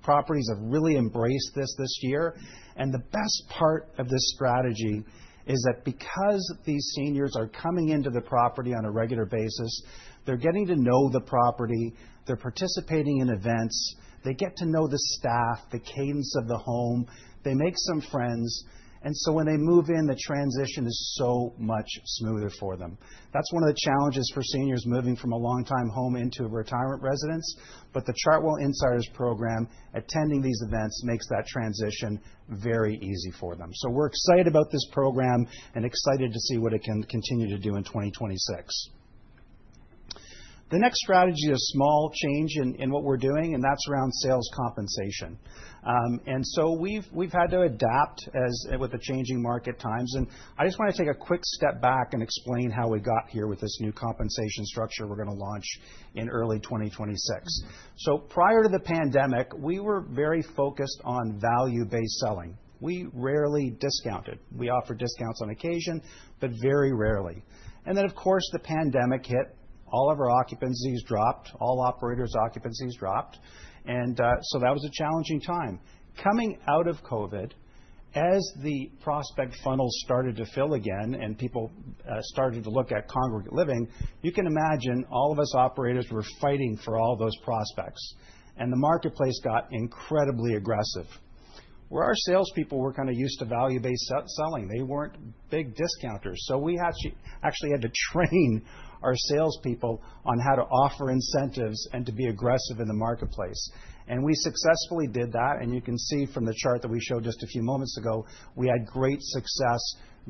Properties have really embraced this year. The best part of this strategy is that because these seniors are coming into the property on a regular basis. They're getting to know the property. They're participating in events. They get to know the staff, the cadence of the home. They make some friends. When they move in, the transition is so much smoother for them. That's one of the challenges for seniors moving from a longtime home into retirement residence. The Chartwell Insiders program. Attending these events makes that transition very easy for them. We're excited about this program and excited to see what it can continue to do in 2026. The next strategy, a small change in what we're doing, and that's around sales compensation. We've had to adapt with the changing market times, and I just want to take a quick step back and explain how we got here with this new compensation structure we're gonna launch in early 2026. Prior to the pandemic, we were very focused on value-based selling. We rarely discounted. We offered discounts on occasion, but very rarely. Of course, the pandemic hit. All of our occupancies dropped. All operators' occupancies dropped. That was a challenging time. Coming out of COVID, as the prospect funnel started to fill again and people started to look at congregate living, you can imagine all of us operators were fighting for all those prospects, and the marketplace got incredibly aggressive. Where our salespeople were kind of used to value-based selling, they weren't big discounters. We actually had to train our salespeople on how to offer incentives and to be aggressive in the marketplace. We successfully did that, and you can see from the chart that we showed just a few moments ago, we had great success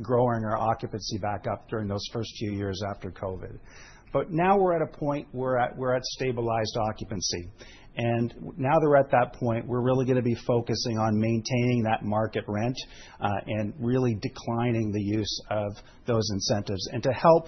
growing our occupancy back up during those first few years after COVID. Now we're at a point where we're at stabilized occupancy, and now that we're at that point, we're really gonna be focusing on maintaining that market rent and really declining the use of those incentives. To help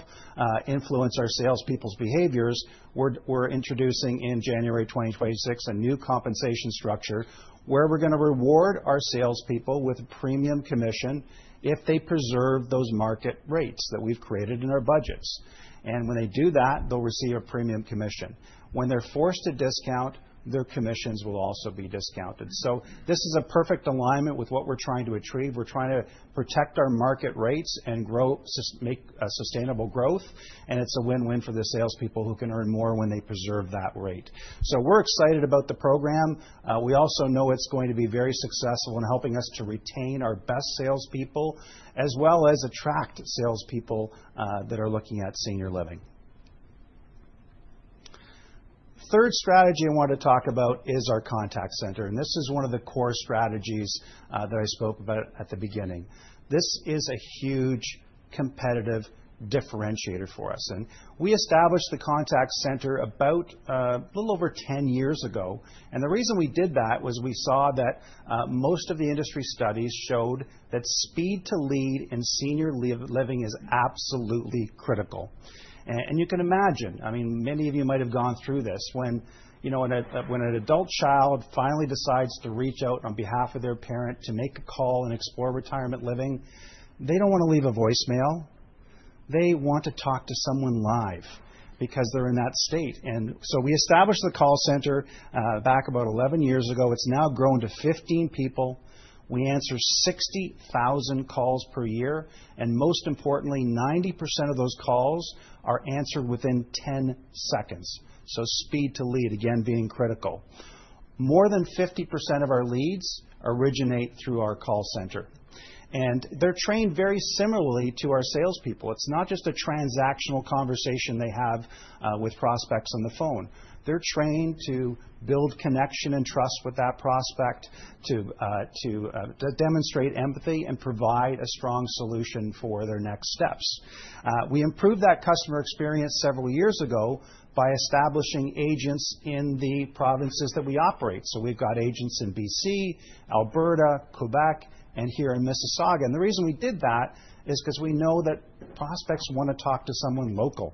influence our salespeople's behaviors, we're introducing in January 2026 a new compensation structure where we're gonna reward our salespeople with a premium commission if they preserve those market rates that we've created in our budgets. When they do that, they'll receive a premium commission. When they're forced to discount, their commissions will also be discounted. This is a perfect alignment with what we're trying to achieve. We're trying to protect our market rates and make a sustainable growth, and it's a win-win for the salespeople who can earn more when they preserve that rate. We're excited about the program. We also know it's going to be very successful in helping us to retain our best salespeople as well as attract salespeople that are looking at senior living. Third strategy I want to talk about is our contact center, and this is one of the core strategies that I spoke about at the beginning. This is a huge competitive differentiator for us, and we established the contact center about a little over 10 years ago. The reason we did that was we saw that, most of the industry studies showed that speed to lead in senior living is absolutely critical. You can imagine, I mean, many of you might have gone through this. When, you know, when an adult child finally decides to reach out on behalf of their parent to make a call and explore retirement living, they don't want to leave a voicemail. They want to talk to someone live because they're in that state. We established the call center, back about 11 years ago. It's now grown to 15 people. We answer 60,000 calls per year, and most importantly, 90% of those calls are answered within 10 seconds. Speed to lead, again, being critical. More than 50% of our leads originate through our call center, and they're trained very similarly to our salespeople. It's not just a transactional conversation they have with prospects on the phone. They're trained to build connection and trust with that prospect, to demonstrate empathy and provide a strong solution for their next steps. We improved that customer experience several years ago by establishing agents in the provinces that we operate. We've got agents in BC, Alberta, Quebec, and here in Mississauga. The reason we did that is 'cause we know that prospects wanna talk to someone local.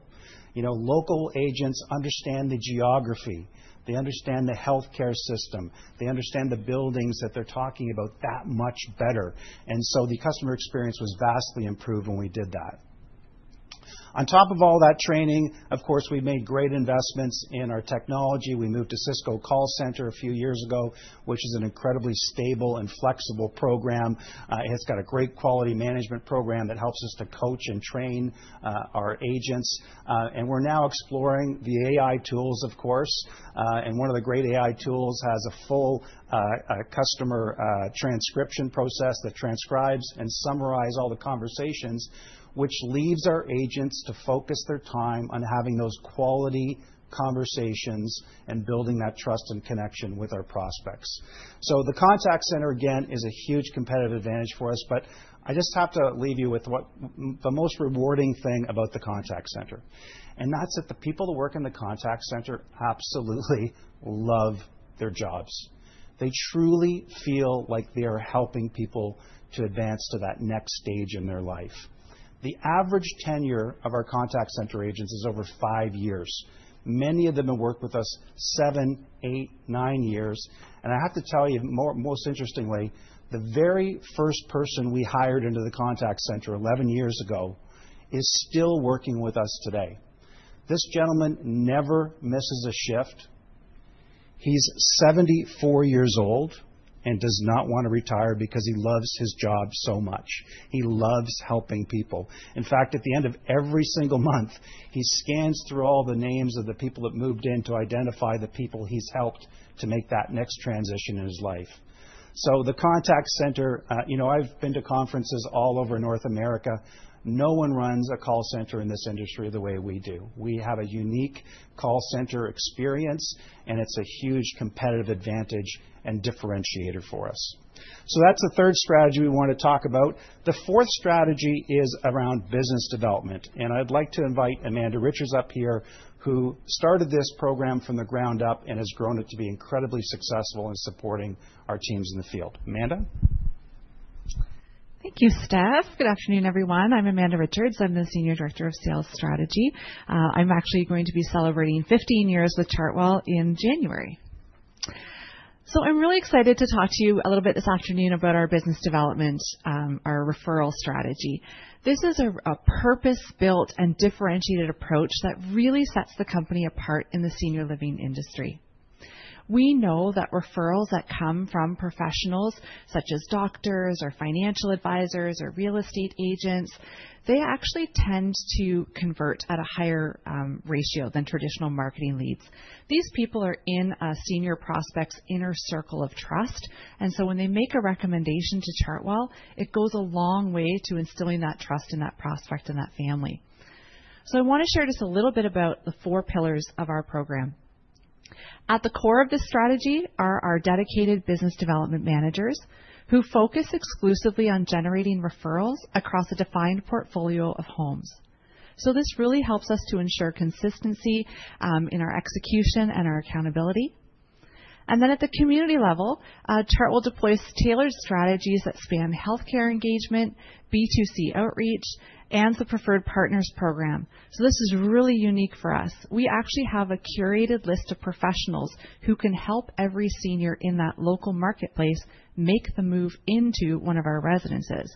You know, local agents understand the geography. They understand the healthcare system. They understand the buildings that they're talking about that much better. The customer experience was vastly improved when we did that. On top of all that training, of course, we made great investments in our technology. We moved to Cisco Call Center a few years ago, which is an incredibly stable and flexible program. It's got a great quality management program that helps us to coach and train our agents. And we're now exploring the AI tools, of course. And one of the great AI tools has a full customer transcription process that transcribes and summarize all the conversations, which leaves our agents to focus their time on having those quality conversations and building that trust and connection with our prospects. The contact center, again, is a huge competitive advantage for us, but I just have to leave you with what the most rewarding thing about the contact center is, and that's that the people who work in the contact center absolutely love their jobs. They truly feel like they are helping people to advance to that next stage in their life. The average tenure of our contact center agents is over five years. Many of them have worked with us seven, eight, nine years. I have to tell you more, most interestingly, the very first person we hired into the contact center 11 years ago is still working with us today. This gentleman never misses a shift. He's 74 years old and does not want to retire because he loves his job so much. He loves helping people. In fact, at the end of every single month, he scans through all the names of the people that moved in to identify the people he's helped to make that next transition in his life. The contact center, you know, I've been to conferences all over North America. No one runs a call center in this industry the way we do. We have a unique call center experience, and it's a huge competitive advantage and differentiator for us. That's the third strategy we want to talk about. The fourth strategy is around business development, and I'd like to invite Amanda Richards up here who started this program from the ground up and has grown it to be incredibly successful in supporting our teams in the field. Amanda. Thank you, Stef. Good afternoon, everyone. I'm Amanda Richards. I'm the Senior Director of Sales Strategy. I'm actually going to be celebrating 15 years with Chartwell in January. I'm really excited to talk to you a little bit this afternoon about our business development, our referral strategy. This is a purpose-built and differentiated approach that really sets the company apart in the senior living industry. We know that referrals that come from professionals such as doctors or financial advisors or real estate agents, they actually tend to convert at a higher ratio than traditional marketing leads. These people are in a senior prospect's inner circle of trust, and so when they make a recommendation to Chartwell, it goes a long way to instilling that trust in that prospect and that family. I want to share just a little bit about the four pillars of our program. At the core of this strategy are our dedicated business development managers who focus exclusively on generating referrals across a defined portfolio of homes. This really helps us to ensure consistency in our execution and our accountability. At the community level, Chartwell deploys tailored strategies that span healthcare engagement, B2C outreach, and the Preferred Partners Program. This is really unique for us. We actually have a curated list of professionals who can help every senior in that local marketplace make the move into one of our residences.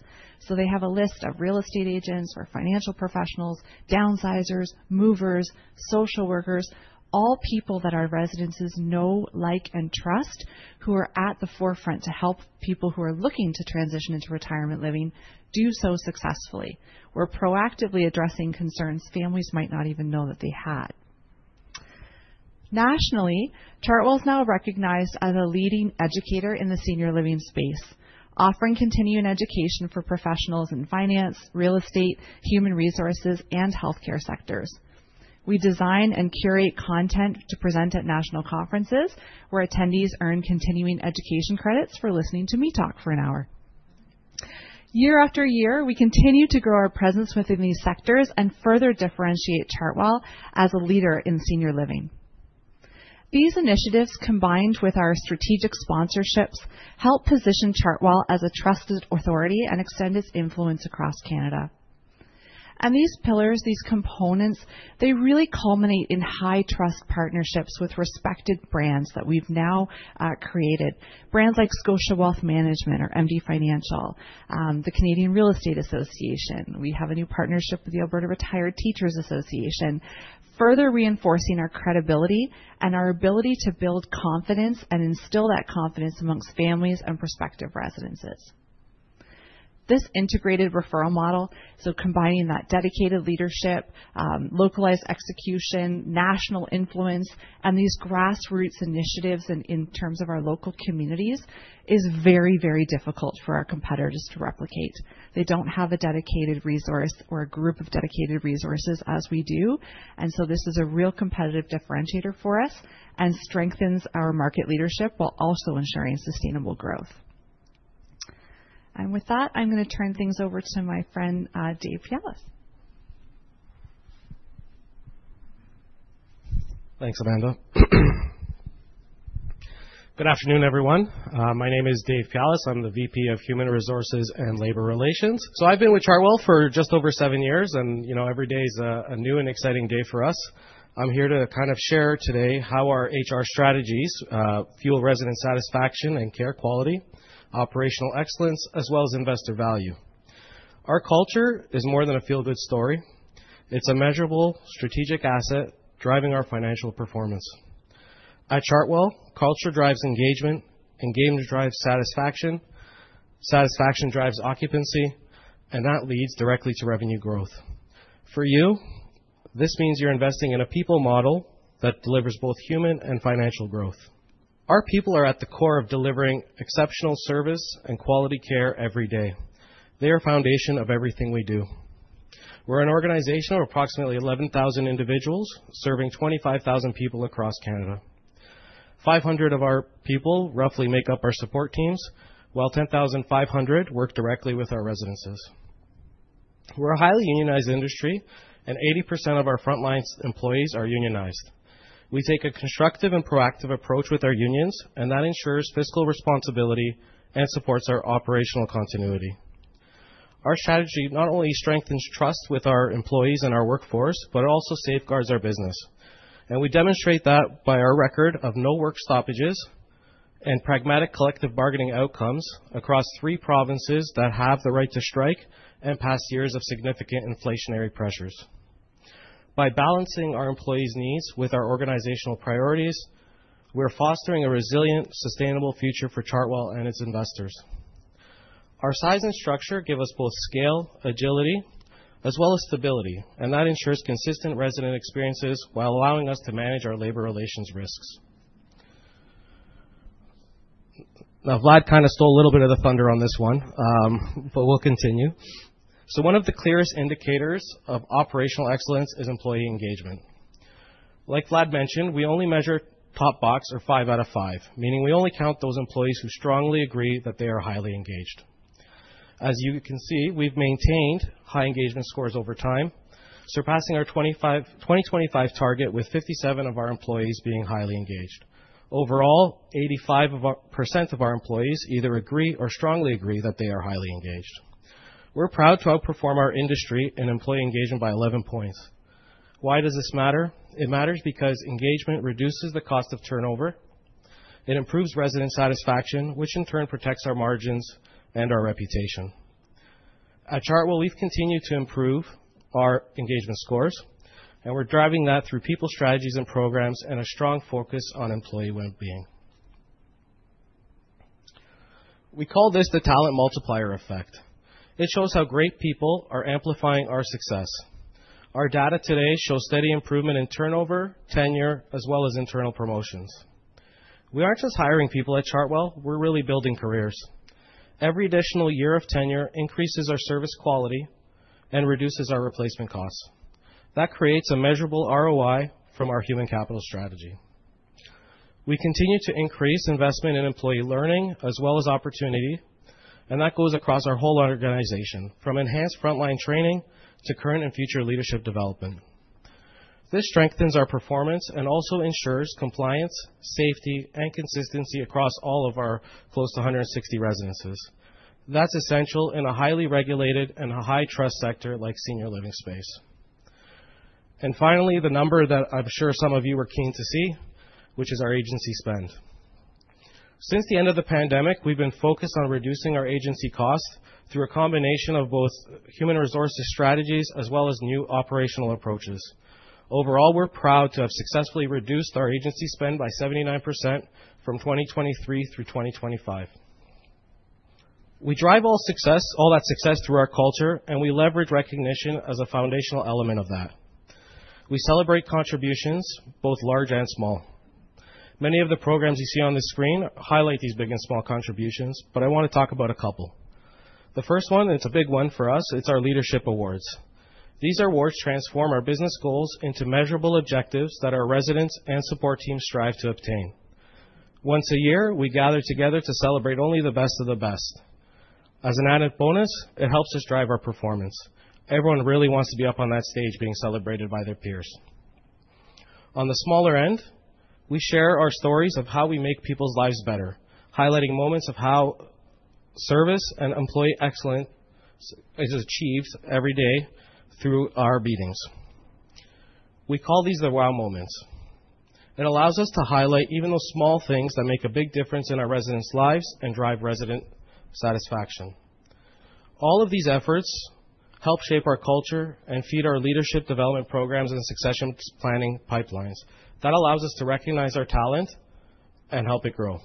They have a list of real estate agents or financial professionals, downsizers, movers, social workers, all people that our residences know, like, and trust, who are at the forefront to help people who are looking to transition into retirement living do so successfully. We're proactively addressing concerns families might not even know that they had. Nationally, Chartwell is now recognized as a leading educator in the senior living space, offering continuing education for professionals in finance, real estate, human resources, and healthcare sectors. We design and curate content to present at national conferences where attendees earn continuing education credits for listening to me talk for an hour. Year after year, we continue to grow our presence within these sectors and further differentiate Chartwell as a leader in senior living. These initiatives, combined with our strategic sponsorships, help position Chartwell as a trusted authority and extend its influence across Canada. These pillars, these components, they really culminate in high-trust partnerships with respected brands that we've now created. Brands like Scotia Wealth Management or MD Financial, the Canadian Real Estate Association. We have a new partnership with the Alberta Retired Teachers' Association, further reinforcing our credibility and our ability to build confidence and instill that confidence amongst families and prospective residences. This integrated referral model, so combining that dedicated leadership, localized execution, national influence, and these grassroots initiatives in terms of our local communities, is very, very difficult for our competitors to replicate. They don't have a dedicated resource or a group of dedicated resources as we do, and so this is a real competitive differentiator for us and strengthens our market leadership while also ensuring sustainable growth. With that, I'm gonna turn things over to my friend, Dave Pielas. Thanks, Amanda. Good afternoon, everyone. My name is Dave Pielas. I'm the VP of Human Resources and Labor Relations. I've been with Chartwell for just over seven years, and every day is a new and exciting day for us. I'm here to kind of share today how our HR strategies fuel resident satisfaction and care quality, operational excellence, as well as investor value. Our culture is more than a feel-good story. It's a measurable strategic asset driving our financial performance. At Chartwell, culture drives engagement drives satisfaction drives occupancy, and that leads directly to revenue growth. For you, this means you're investing in a people model that delivers both human and financial growth. Our people are at the core of delivering exceptional service and quality care every day. They are foundation of everything we do. We're an organization of approximately 11,000 individuals serving 25,000 people across Canada. 500 of our people roughly make up our support teams, while 10,500 work directly with our residences. We're a highly unionized industry, and 80% of our frontline employees are unionized. We take a constructive and proactive approach with our unions, and that ensures fiscal responsibility and supports our operational continuity. Our strategy not only strengthens trust with our employees and our workforce, but it also safeguards our business. We demonstrate that by our record of no work stoppages and pragmatic collective bargaining outcomes across three provinces that have the right to strike and past years of significant inflationary pressures. By balancing our employees' needs with our organizational priorities, we're fostering a resilient, sustainable future for Chartwell and its investors. Our size and structure give us both scale, agility, as well as stability, and that ensures consistent resident experiences while allowing us to manage our labor relations risks. Now, Vlad kind of stole a little bit of the thunder on this one, but we'll continue. One of the clearest indicators of operational excellence is employee engagement. Like Vlad mentioned, we only measure top box or five out of five, meaning we only count those employees who strongly agree that they are highly engaged. As you can see, we've maintained high engagement scores over time, surpassing our 2025 target with 57% of our employees being highly engaged. Overall, 85% of our employees either agree or strongly agree that they are highly engaged. We're proud to outperform our industry in employee engagement by 11 points. Why does this matter? It matters because engagement reduces the cost of turnover. It improves resident satisfaction, which in turn protects our margins and our reputation. At Chartwell, we've continued to improve our engagement scores, and we're driving that through people strategies and programs and a strong focus on employee well-being. We call this the talent multiplier effect. It shows how great people are amplifying our success. Our data today shows steady improvement in turnover, tenure, as well as internal promotions. We aren't just hiring people at Chartwell, we're really building careers. Every additional year of tenure increases our service quality and reduces our replacement costs. That creates a measurable ROI from our human capital strategy. We continue to increase investment in employee learning as well as opportunity, and that goes across our whole organization, from enhanced frontline training to current and future leadership development. This strengthens our performance and also ensures compliance, safety, and consistency across all of our close to 160 residences. That's essential in a highly regulated and a high-trust sector like senior living space. Finally, the number that I'm sure some of you are keen to see, which is our agency spend. Since the end of the pandemic, we've been focused on reducing our agency costs through a combination of both human resources strategies as well as new operational approaches. Overall, we're proud to have successfully reduced our agency spend by 79% from 2023 through 2025. We drive all that success through our culture, and we leverage recognition as a foundational element of that. We celebrate contributions, both large and small. Many of the programs you see on the screen highlight these big and small contributions, but I want to talk about a couple. The first one, it's a big one for us, it's our leadership awards. These awards transform our business goals into measurable objectives that our residents and support teams strive to obtain. Once a year, we gather together to celebrate only the best of the best. As an added bonus, it helps us drive our performance. Everyone really wants to be up on that stage being celebrated by their peers. On the smaller end, we share our stories of how we make people's lives better, highlighting moments of how service and employee excellence is achieved every day through our meetings. We call these the wow moments. It allows us to highlight even those small things that make a big difference in our residents' lives and drive resident satisfaction. All of these efforts help shape our culture and feed our leadership development programs and succession planning pipelines. That allows us to recognize our talent and help it grow.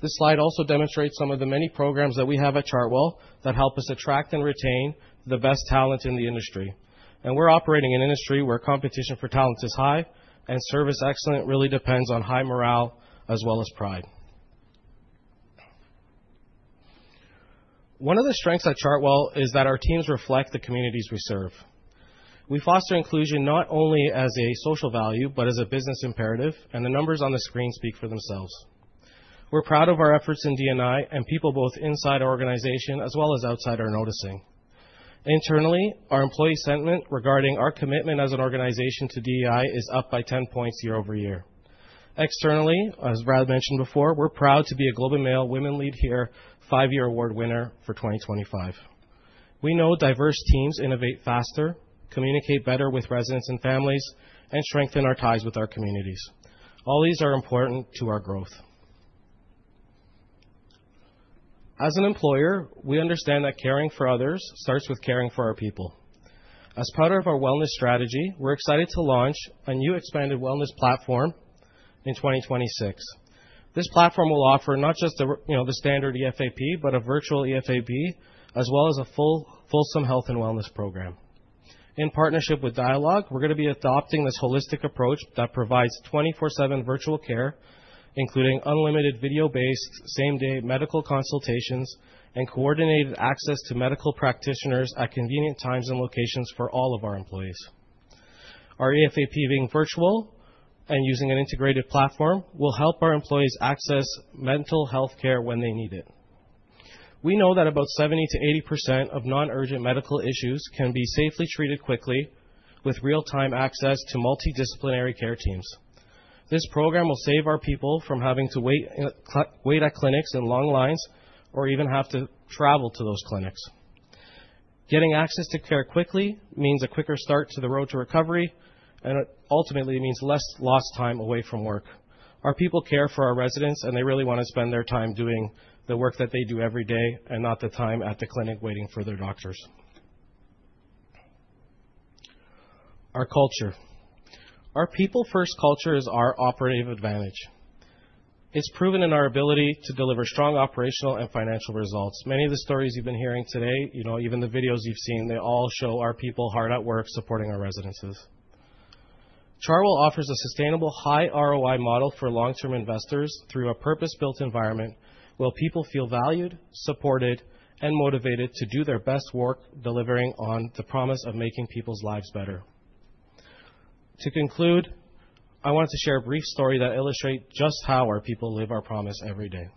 This slide also demonstrates some of the many programs that we have at Chartwell that help us attract and retain the best talent in the industry. We're operating in an industry where competition for talent is high and service excellence really depends on high morale as well as pride. One of the strengths at Chartwell is that our teams reflect the communities we serve. We foster inclusion not only as a social value, but as a business imperative, and the numbers on the screen speak for themselves. We're proud of our efforts in DEI and people both inside our organization as well as outside are noticing. Internally, our employee sentiment regarding our commitment as an organization to DEI is up by 10 points year-over-year. Externally, as Vlad mentioned before, we're proud to be a Globe and Mail Women Lead Here five-year award winner for 2025. We know diverse teams innovate faster, communicate better with residents and families, and strengthen our ties with our communities. All these are important to our growth. As an employer, we understand that caring for others starts with caring for our people. As part of our wellness strategy, we're excited to launch a new expanded wellness platform in 2026. This platform will offer not just the standard EFAP, but a virtual EFAP, as well as a fullsome health and wellness program. In partnership with Dialogue, we're gonna be adopting this holistic approach that provides 24/7 virtual care, including unlimited video-based same-day medical consultations and coordinated access to medical practitioners at convenient times and locations for all of our employees. Our EFAP being virtual and using an integrated platform will help our employees access mental health care when they need it. We know that about 70%-80% of non-urgent medical issues can be safely treated quickly with real-time access to multidisciplinary care teams. This program will save our people from having to wait at clinics in long lines or even have to travel to those clinics. Getting access to care quickly means a quicker start to the road to recovery, and it ultimately means less lost time away from work. Our people care for our residents, and they really want to spend their time doing the work that they do every day and not the time at the clinic waiting for their doctors. Our culture, our people-first culture is our operating advantage. It's proven in our ability to deliver strong operational and financial results. Many of the stories you've been hearing today, you know, even the videos you've seen, they all show our people hard at work supporting our residences. Chartwell offers a sustainable high ROI model for long-term investors through a purpose-built environment where people feel valued, supported, and motivated to do their best work delivering on the promise of making people's lives better. To conclude, I want to share a brief story that illustrate just how our people live our promise every day.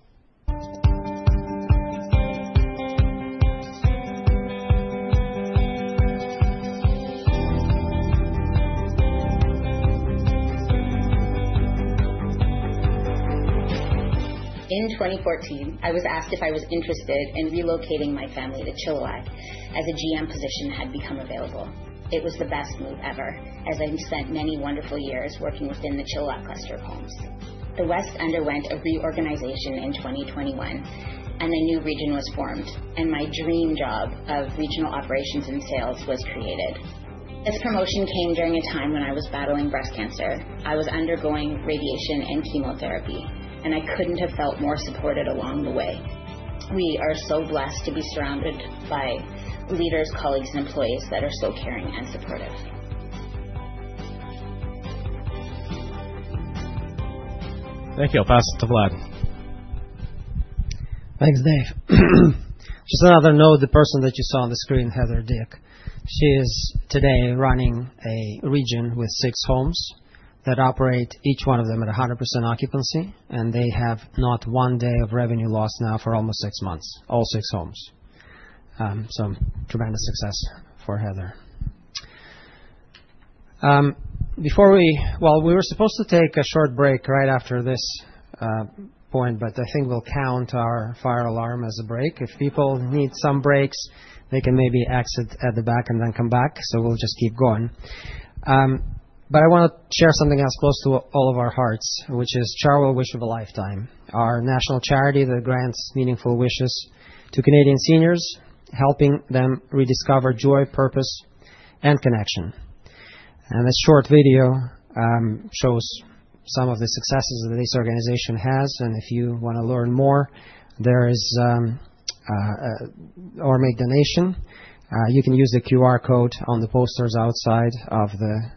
In 2014, I was asked if I was interested in relocating my family to Chilliwack, as a GM position had become available. It was the best move ever, as I've spent many wonderful years working within the Chilliwack cluster of homes. The west underwent a reorganization in 2021, and a new region was formed, and my dream job of regional operations and sales was created. This promotion came during a time when I was battling breast cancer. I was undergoing radiation and chemotherapy, and I couldn't have felt more supported along the way. We are so blessed to be surrounded by leaders, colleagues, and employees that are so caring and supportive. Thank you. I'll pass it to Vlad. Thanks, Dave. Just another note, the person that you saw on the screen, Dick, she is today running a region with six homes that operate each one of them at 100% occupancy, and they have not one day of revenue loss now for almost six months, all six homes. So tremendous success for Heather. Well, we were supposed to take a short break right after this point, but I think we'll count our fire alarm as a break. If people need some breaks, they can maybe exit at the back and then come back, so we'll just keep going. I want to share something that's close to all of our hearts, which is Chartwell Wish of a Lifetime, our national charity that grants meaningful wishes to Canadian seniors, helping them rediscover joy, purpose, and connection. This short video shows some of the successes that this organization has. If you want to learn more or make donation, you can use the QR code on the posters outside of the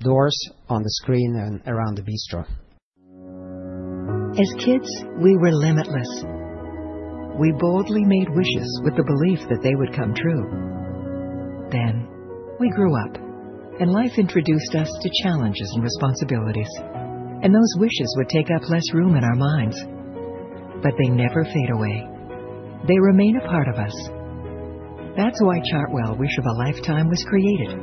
doors on the screen and around the bistro. As kids, we were limitless. We boldly made wishes with the belief that they would come true. Then we grew up, and life introduced us to challenges and responsibilities, and those wishes would take up less room in our minds. But they never fade away. They remain a part of us. That's why Chartwell Wish of a Lifetime was created.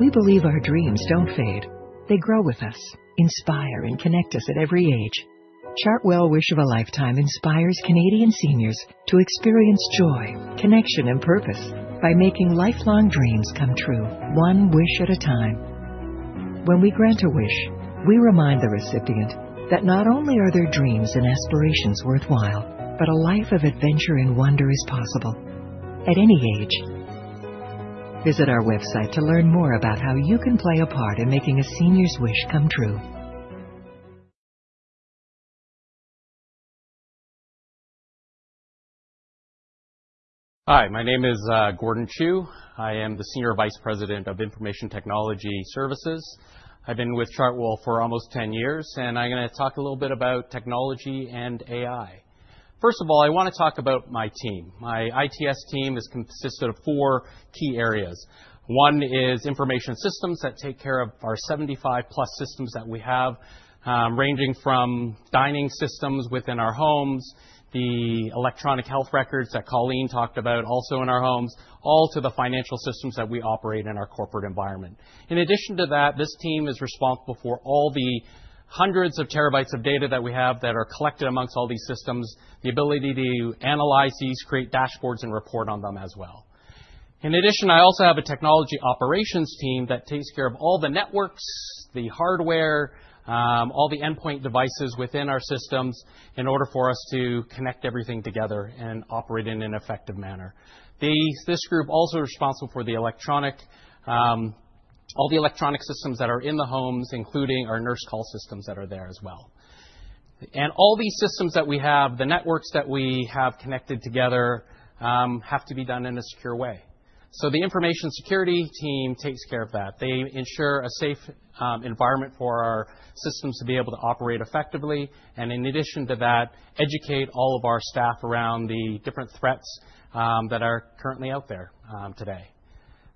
We believe our dreams don't fade. They grow with us, inspire, and connect us at every age. Chartwell Wish of a Lifetime inspires Canadian seniors to experience joy, connection, and purpose by making lifelong dreams come true, one wish at a time. When we grant a wish, we remind the recipient that not only are their dreams and aspirations worthwhile, but a life of adventure and wonder is possible at any age. Visit our website to learn more about how you can play a part in making a senior's wish come true. Hi, my name is Gordon Chiu. I am the Senior Vice President of Information Technology Services. I've been with Chartwell for almost 10 years, and I'm going to talk a little bit about technology and AI. First of all, I want to talk about my team. My ITS team is consisted of 4 key areas. One is information systems that take care of our 75+ systems that we have, ranging from dining systems within our homes, the electronic health records that Colleen talked about also in our homes, all to the financial systems that we operate in our corporate environment. In addition to that, this team is responsible for all the hundreds of terabytes of data that we have that are collected amongst all these systems, the ability to analyze these, create dashboards, and report on them as well. In addition, I also have a technology operations team that takes care of all the networks, the hardware, all the endpoint devices within our systems in order for us to connect everything together and operate in an effective manner. This group also responsible for the electronic, all the electronic systems that are in the homes, including our nurse call systems that are there as well. All these systems that we have, the networks that we have connected together, have to be done in a secure way. The information security team takes care of that. They ensure a safe environment for our systems to be able to operate effectively, and in addition to that, educate all of our staff around the different threats that are currently out there today.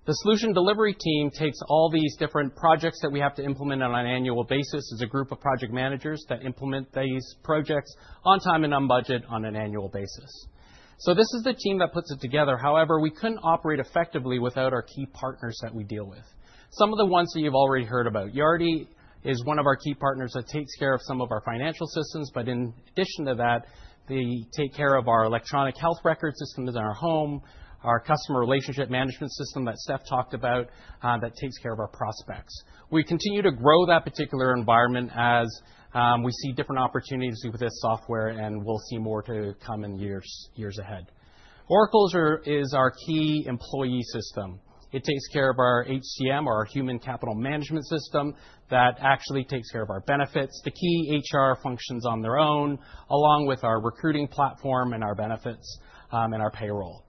The solution delivery team takes all these different projects that we have to implement on an annual basis as a group of project managers that implement these projects on time and on budget on an annual basis. This is the team that puts it together. However, we couldn't operate effectively without our key partners that we deal with. Some of the ones that you've already heard about. Yardi is one of our key partners that takes care of some of our financial systems, but in addition to that, they take care of our electronic health record systems in our home, our customer relationship management system that Stef talked about that takes care of our prospects. We continue to grow that particular environment as we see different opportunities with this software, and we'll see more to come in years ahead. Oracle is our key employee system. It takes care of our HCM or our human capital management system that actually takes care of our benefits, the key HR functions on their own, along with our recruiting platform and our benefits, and our payroll.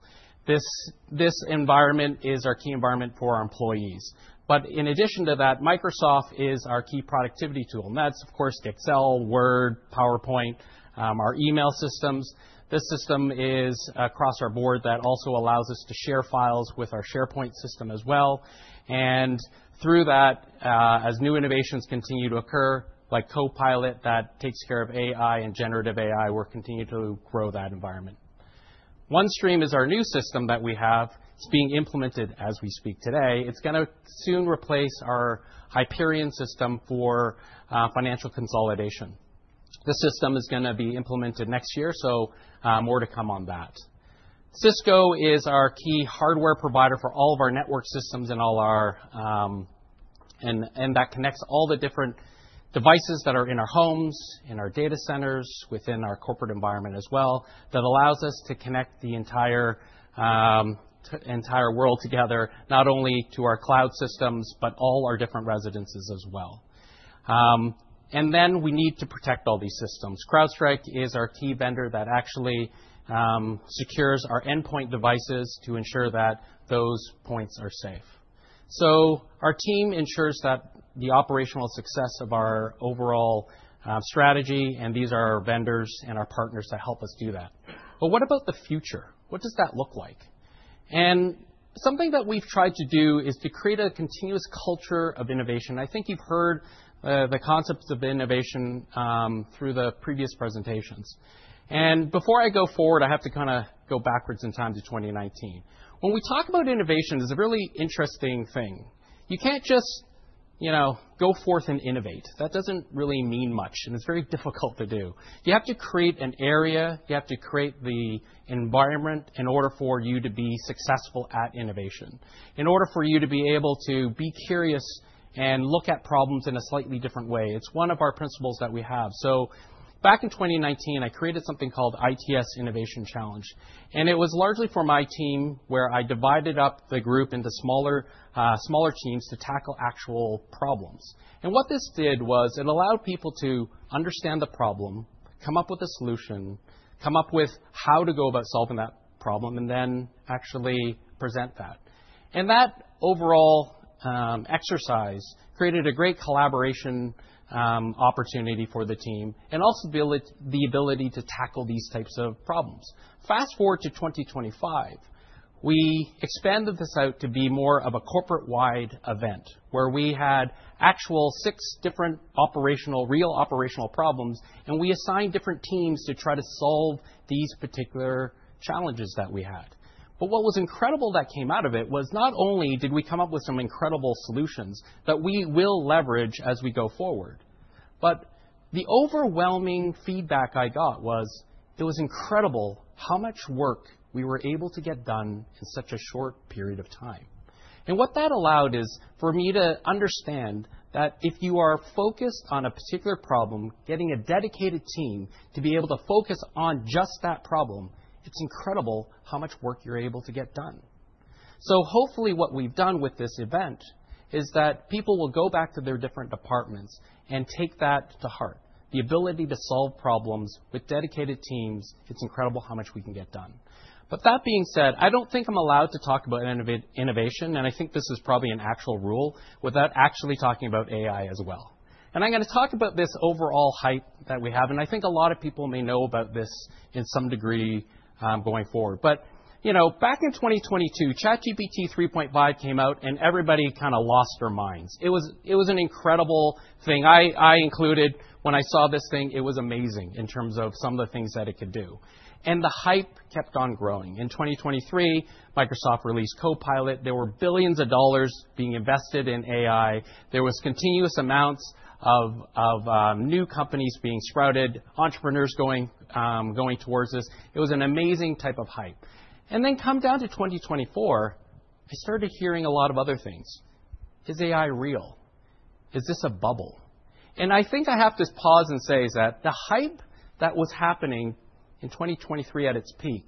This environment is our key environment for our employees. In addition to that, Microsoft is our key productivity tool, and that's, of course, Excel, Word, PowerPoint, our email systems. This system is across our board that also allows us to share files with our SharePoint system as well. Through that, as new innovations continue to occur, like Copilot that takes care of AI and generative AI, we're continuing to grow that environment. OneStream is our new system that we have. It's being implemented as we speak today. It's gonna soon replace our Hyperion system for financial consolidation. This system is gonna be implemented next year, so more to come on that. Cisco is our key hardware provider for all of our network systems and all our. That connects all the different devices that are in our homes, in our data centers, within our corporate environment as well, that allows us to connect the entire world together, not only to our cloud systems, but all our different residences as well. Then we need to protect all these systems. CrowdStrike is our key vendor that actually secures our endpoint devices to ensure that those points are safe. So our team ensures that the operational success of our overall strategy, and these are our vendors and our partners to help us do that. What about the future? What does that look like? Something that we've tried to do is to create a continuous culture of innovation. I think you've heard the concepts of innovation through the previous presentations. Before I go forward, I have to kinda go backwards in time to 2019. When we talk about innovation, it's a really interesting thing. You can't just, you know, go forth and innovate. That doesn't really mean much, and it's very difficult to do. You have to create an area, you have to create the environment in order for you to be successful at innovation, in order for you to be able to be curious and look at problems in a slightly different way. It's one of our principles that we have. Back in 2019, I created something called ITS Innovation Challenge, and it was largely for my team, where I divided up the group into smaller teams to tackle actual problems. What this did was it allowed people to understand the problem, come up with a solution, come up with how to go about solving that problem, and then actually present that. That overall exercise created a great collaboration opportunity for the team and also the ability to tackle these types of problems. Fast-forward to 2025, we expanded this out to be more of a corporate-wide event where we had actually six different operational, real operational problems, and we assigned different teams to try to solve these particular challenges that we had. What was incredible that came out of it was not only did we come up with some incredible solutions that we will leverage as we go forward, but the overwhelming feedback I got was it was incredible how much work we were able to get done in such a short period of time. What that allowed is for me to understand that if you are focused on a particular problem, getting a dedicated team to be able to focus on just that problem, it's incredible how much work you're able to get done. Hopefully, what we've done with this event is that people will go back to their different departments and take that to heart. The ability to solve problems with dedicated teams, it's incredible how much we can get done. But that being said, I don't think I'm allowed to talk about innovation, and I think this is probably an actual rule, without actually talking about AI as well. I'm gonna talk about this overall hype that we have, and I think a lot of people may know about this in some degree, going forward. You know, back in 2022, ChatGPT 3.5 came out, and everybody kinda lost their minds. It was an incredible thing. Me included when I saw this thing, it was amazing in terms of some of the things that it could do. The hype kept on growing. In 2023, Microsoft released Copilot. There were billions of CAD being invested in AI. There was continuous amounts of new companies being sprouted, entrepreneurs going towards this. It was an amazing type of hype. Come down to 2024, I started hearing a lot of other things. Is AI real? Is this a bubble? I think I have to pause and say that the hype that was happening in 2023 at its peak,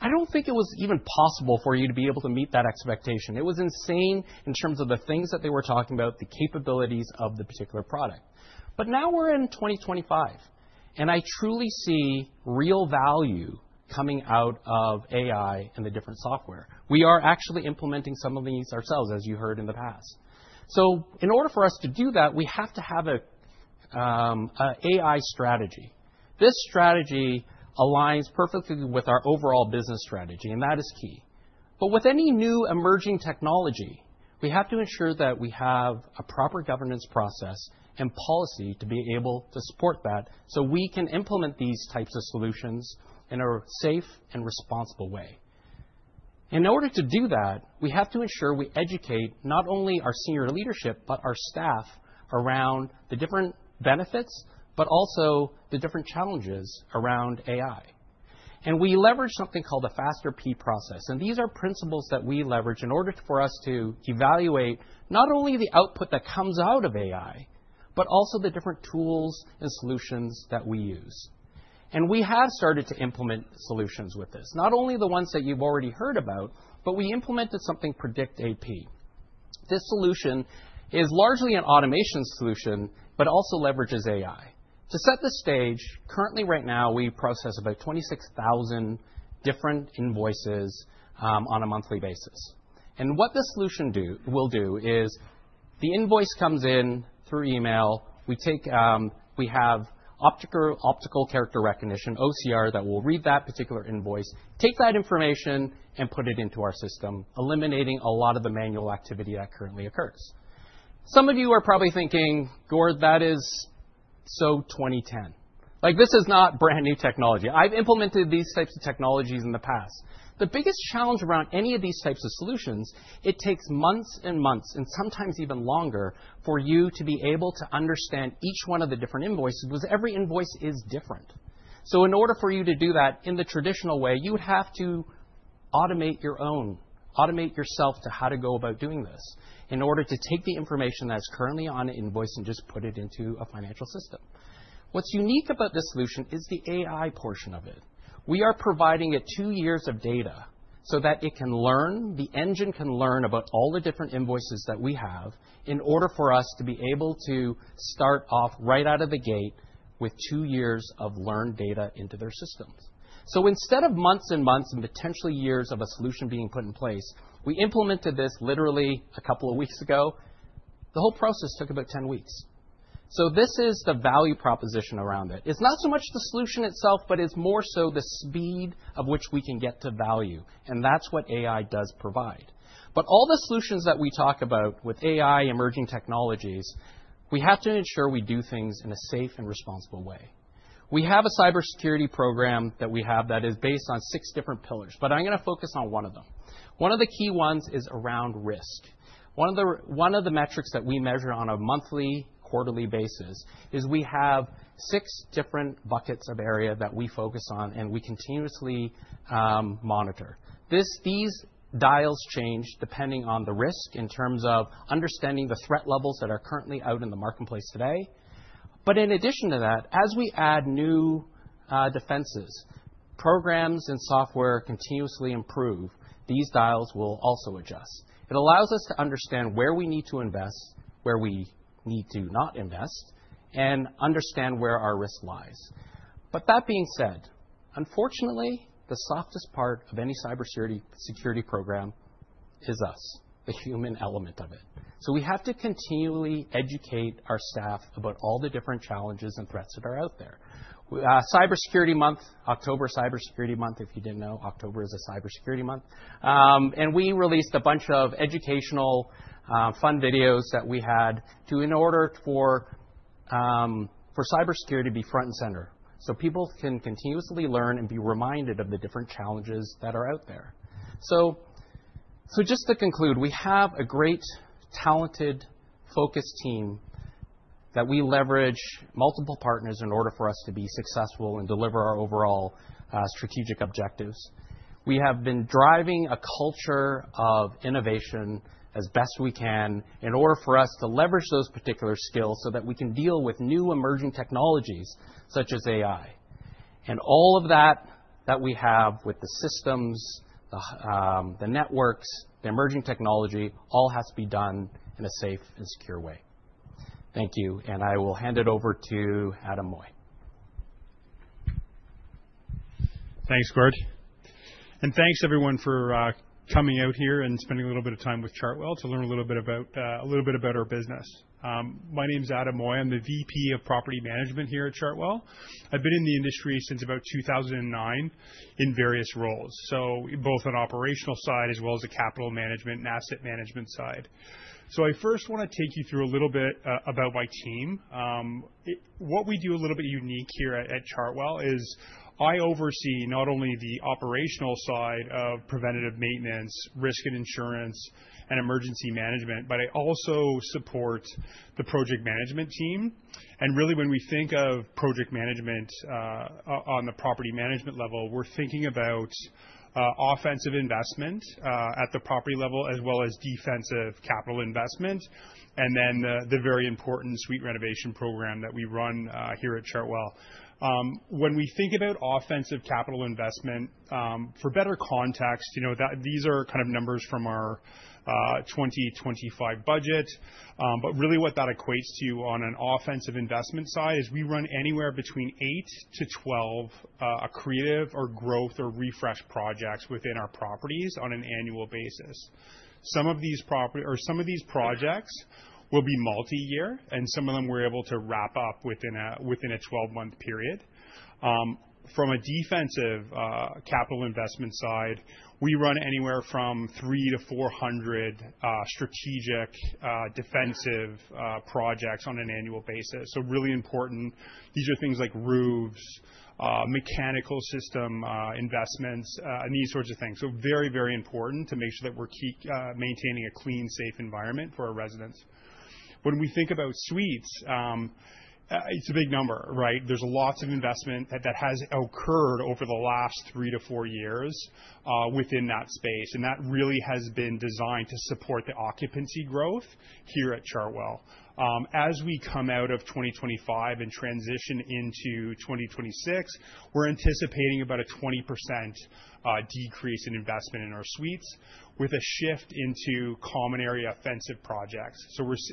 I don't think it was even possible for you to be able to meet that expectation. It was insane in terms of the things that they were talking about, the capabilities of the particular product. Now we're in 2025, and I truly see real value coming out of AI and the different software. We are actually implementing some of these ourselves, as you heard in the past. In order for us to do that, we have to have an AI strategy. This strategy aligns perfectly with our overall business strategy, and that is key. With any new emerging technology, we have to ensure that we have a proper governance process and policy to be able to support that, so we can implement these types of solutions in a safe and responsible way. In order to do that, we have to ensure we educate not only our senior leadership but our staff around the different benefits, but also the different challenges around AI. We leverage something called the FASTER principles, and these are principles that we leverage in order for us to evaluate not only the output that comes out of AI but also the different tools and solutions that we use. We have started to implement solutions with this, not only the ones that you've already heard about, but we implemented something, PredictAP. This solution is largely an automation solution but also leverages AI. To set the stage, currently right now, we process about 26,000 different invoices on a monthly basis. What this solution will do is the invoice comes in through email. We have optical character recognition, OCR, that will read that particular invoice, take that information, and put it into our system, eliminating a lot of the manual activity that currently occurs. Some of you are probably thinking, "Gord, that is so 2010. Like this is not brand-new technology. I've implemented these types of technologies in the past." The biggest challenge around any of these types of solutions, it takes months and months, and sometimes even longer, for you to be able to understand each one of the different invoices, because every invoice is different. In order for you to do that in the traditional way, you would have to automate yourself to how to go about doing this in order to take the information that's currently on an invoice and just put it into a financial system. What's unique about this solution is the AI portion of it. We are providing it two years of data so that it can learn. The engine can learn about all the different invoices that we have in order for us to be able to start off right out of the gate with two years of learned data into their systems. Instead of months and months, and potentially years, of a solution being put in place, we implemented this literally a couple of weeks ago. The whole process took about 10 weeks. This is the value proposition around it. It's not so much the solution itself, but it's more so the speed of which we can get to value, and that's what AI does provide. All the solutions that we talk about with AI emerging technologies, we have to ensure we do things in a safe and responsible way. We have a cybersecurity program that we have that is based on six different pillars, but I'm gonna focus on one of them. One of the key ones is around risk. One of the metrics that we measure on a monthly, quarterly basis is we have six different buckets of area that we focus on and we continuously monitor. These dials change depending on the risk in terms of understanding the threat levels that are currently out in the marketplace today. In addition to that, as we add new defenses, programs and software continuously improve. These dials will also adjust. It allows us to understand where we need to invest, where we need to not invest, and understand where our risk lies. That being said, unfortunately, the softest part of any cybersecurity program is us, the human element of it. We have to continually educate our staff about all the different challenges and threats that are out there. Cybersecurity Month, October is Cybersecurity Month. If you didn't know, October is the Cybersecurity Month. We released a bunch of educational, fun videos that we had to in order for cybersecurity to be front and center, so people can continuously learn and be reminded of the different challenges that are out there. Just to conclude, we have a great, talented, focused team that we leverage multiple partners in order for us to be successful and deliver our overall strategic objectives. We have been driving a culture of innovation as best we can in order for us to leverage those particular skills so that we can deal with new emerging technologies such as AI. All of that we have with the systems, the networks, the emerging technology, all has to be done in a safe and secure way. Thank you. I will hand it over to Adam Moy. Thanks, Gord. Thanks everyone for coming out here and spending a little bit of time with Chartwell to learn a little bit about our business. My name's Adam Moy. I'm the VP of Property Management here at Chartwell. I've been in the industry since about 2009 in various roles, so both on operational side as well as the capital management and asset management side. I first wanna take you through a little bit about my team. What we do a little bit unique here at Chartwell is I oversee not only the operational side of preventative maintenance, risk and insurance, and emergency management, but I also support the project management team. Really, when we think of project management, on the property management level, we're thinking about offensive investment at the property level as well as defensive capital investment, and then the very important suite renovation program that we run here at Chartwell. When we think about offensive capital investment, for better context, you know, that these are kind of numbers from our 2025 budget. But really what that equates to on an offensive investment side is we run anywhere between 8-12 creative or growth or refresh projects within our properties on an annual basis. Some of these projects will be multi-year, and some of them we're able to wrap up within a 12-month period. From a defensive capital investment side, we run anywhere from 300-400 strategic defensive projects on an annual basis. Really important. These are things like roofs, mechanical system investments, and these sorts of things. Very, very important to make sure that we're maintaining a clean, safe environment for our residents. When we think about suites, it's a big number, right? There's lots of investment that has occurred over the last 3-4 years within that space, and that really has been designed to support the occupancy growth here at Chartwell. As we come out of 2025 and transition into 2026, we're anticipating about a 20% decrease in investment in our suites with a shift into common area offensive projects.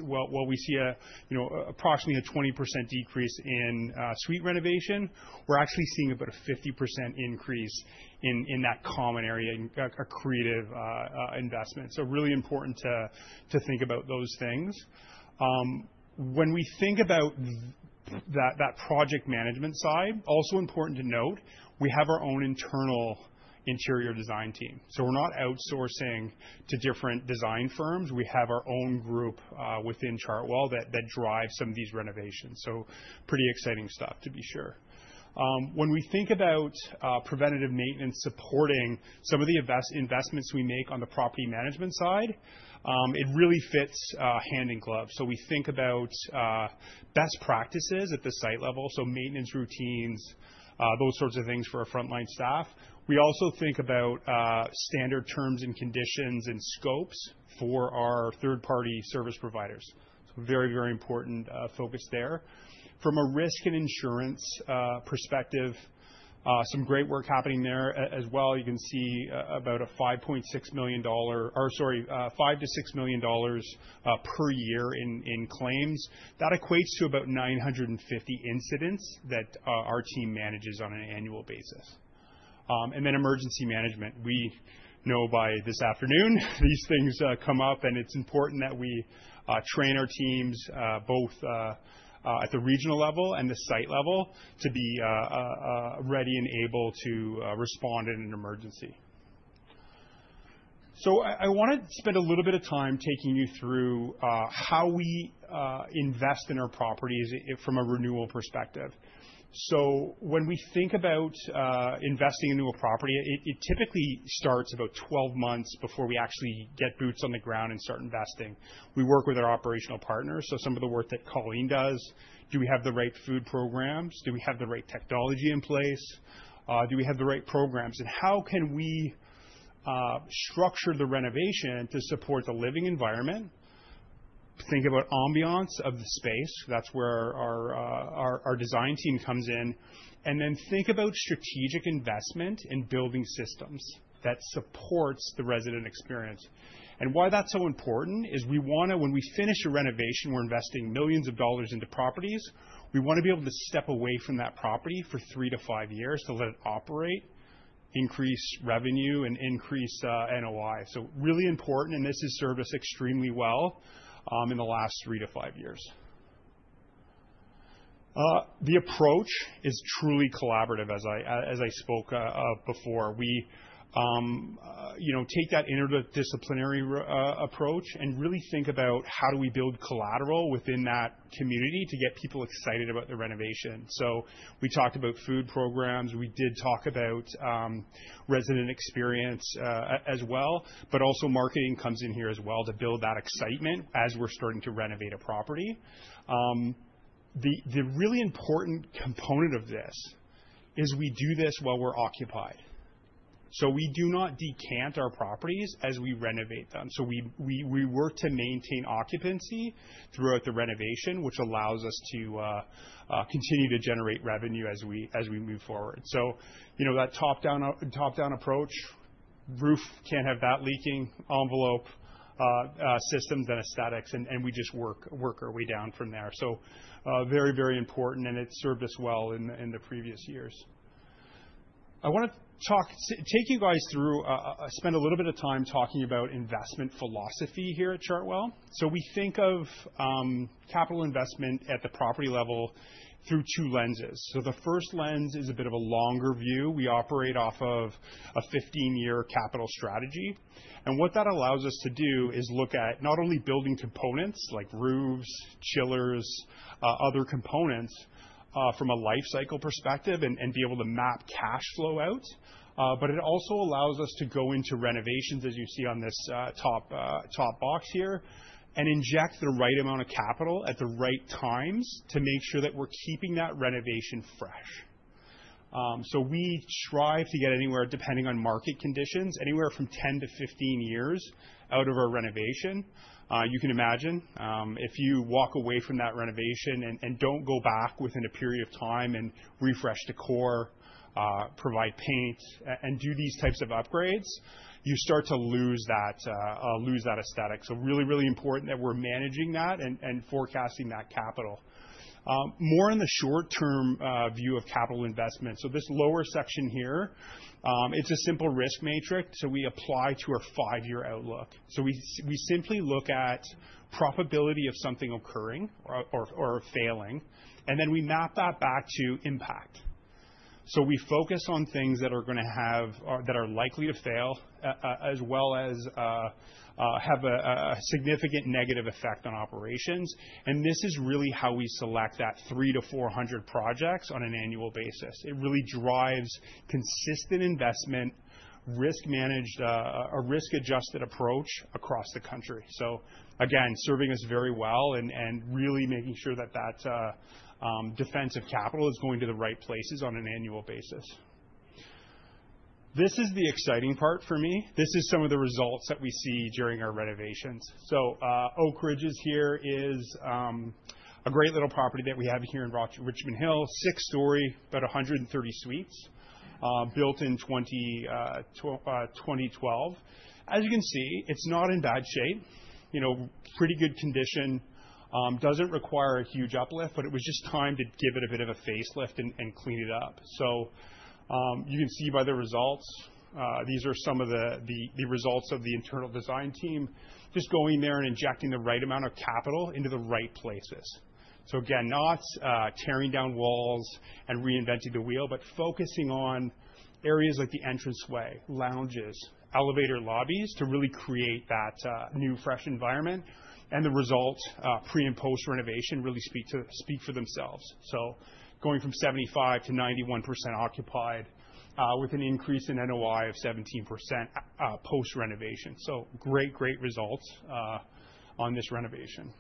While we see, you know, approximately a 20% decrease in suite renovation, we're actually seeing about a 50% increase in that common area in creative investments. Really important to think about those things. When we think about that project management side, also important to note, we have our own internal interior design team, so we're not outsourcing to different design firms. We have our own group within Chartwell that drives some of these renovations, so pretty exciting stuff to be sure. When we think about preventative maintenance supporting some of the investments we make on the property management side, it really fits hand in glove. We think about best practices at the site level, so maintenance routines, those sorts of things for our frontline staff. We also think about standard terms and conditions and scopes for our third-party service providers. Very, very important focus there. From a risk and insurance perspective, some great work happening there as well. You can see about 5 million-6 million dollars per year in claims. That equates to about 950 incidents that our team manages on an annual basis. Emergency management. We know by this afternoon, these things come up, and it's important that we train our teams both at the regional level and the site level to be ready and able to respond in an emergency. I wanna spend a little bit of time taking you through how we invest in our properties from a renewal perspective. When we think about investing into a property, it typically starts about 12 months before we actually get boots on the ground and start investing. We work with our operational partners, so some of the work that Colleen does. Do we have the right food programs? Do we have the right technology in place? Do we have the right programs? How can we structure the renovation to support the living environment? Think about ambiance of the space. That's where our design team comes in. Then think about strategic investment in building systems that supports the resident experience. Why that's so important is when we finish a renovation, we're investing millions dollars into properties. We want to be able to step away from that property for 3-5 years to let it operate, increase revenue, and increase NOI. Really important, and this has served us extremely well in the last 3-5 years. The approach is truly collaborative, as I spoke before. We take that interdisciplinary approach and really think about how do we build collateral within that community to get people excited about the renovation. We talked about food programs. We did talk about resident experience as well, but also marketing comes in here as well to build that excitement as we're starting to renovate a property. The really important component of this is we do this while we're occupied. We do not decant our properties as we renovate them. We work to maintain occupancy throughout the renovation, which allows us to continue to generate revenue as we move forward. You know, that top-down approach, roof can't have that leaking, envelope, systems and aesthetics, and we just work our way down from there. Very important, and it served us well in the previous years. I want to take you guys through, spend a little bit of time talking about investment philosophy here at Chartwell. We think of capital investment at the property level through two lenses. The first lens is a bit of a longer view. We operate off of a 15-year capital strategy, and what that allows us to do is look at not only building components like roofs, chillers, other components, from a lifecycle perspective and be able to map cash flow out, but it also allows us to go into renovations, as you see on this, top box here, and inject the right amount of capital at the right times to make sure that we're keeping that renovation fresh. We strive to get anywhere, depending on market conditions, anywhere from 10 to 15 years out of our renovation. You can imagine, if you walk away from that renovation and don't go back within a period of time and refresh decor, provide paint, and do these types of upgrades, you start to lose that aesthetic. Really important that we're managing that and forecasting that capital. More in the short term view of capital investment. This lower section here, it's a simple risk matrix, we apply to our five-year outlook. We simply look at probability of something occurring or failing, and then we map that back to impact. We focus on things that are gonna have or that are likely to fail, as well as have a significant negative effect on operations. This is really how we select that 300-400 projects on an annual basis. It really drives consistent investment, risk managed, a risk-adjusted approach across the country. Again, serving us very well and really making sure that defensive capital is going to the right places on an annual basis. This is the exciting part for me. This is some of the results that we see during our renovations. Oak Ridges here is a great little property that we have here in Richmond Hill, six-story, about 130 suites, built in 2012. As you can see, it's not in bad shape, you know, pretty good condition. Doesn't require a huge uplift, but it was just time to give it a bit of a facelift and clean it up. You can see by the results, these are some of the results of the internal design team just going there and injecting the right amount of capital into the right places. Again, not tearing down walls and reinventing the wheel, but focusing on areas like the entranceway, lounges, elevator lobbies to really create that new, fresh environment. The results, pre- and post-renovation really speak for themselves. Going from 75%-91% occupied, with an increase in NOI of 17%, post-renovation. Great results on this renovation.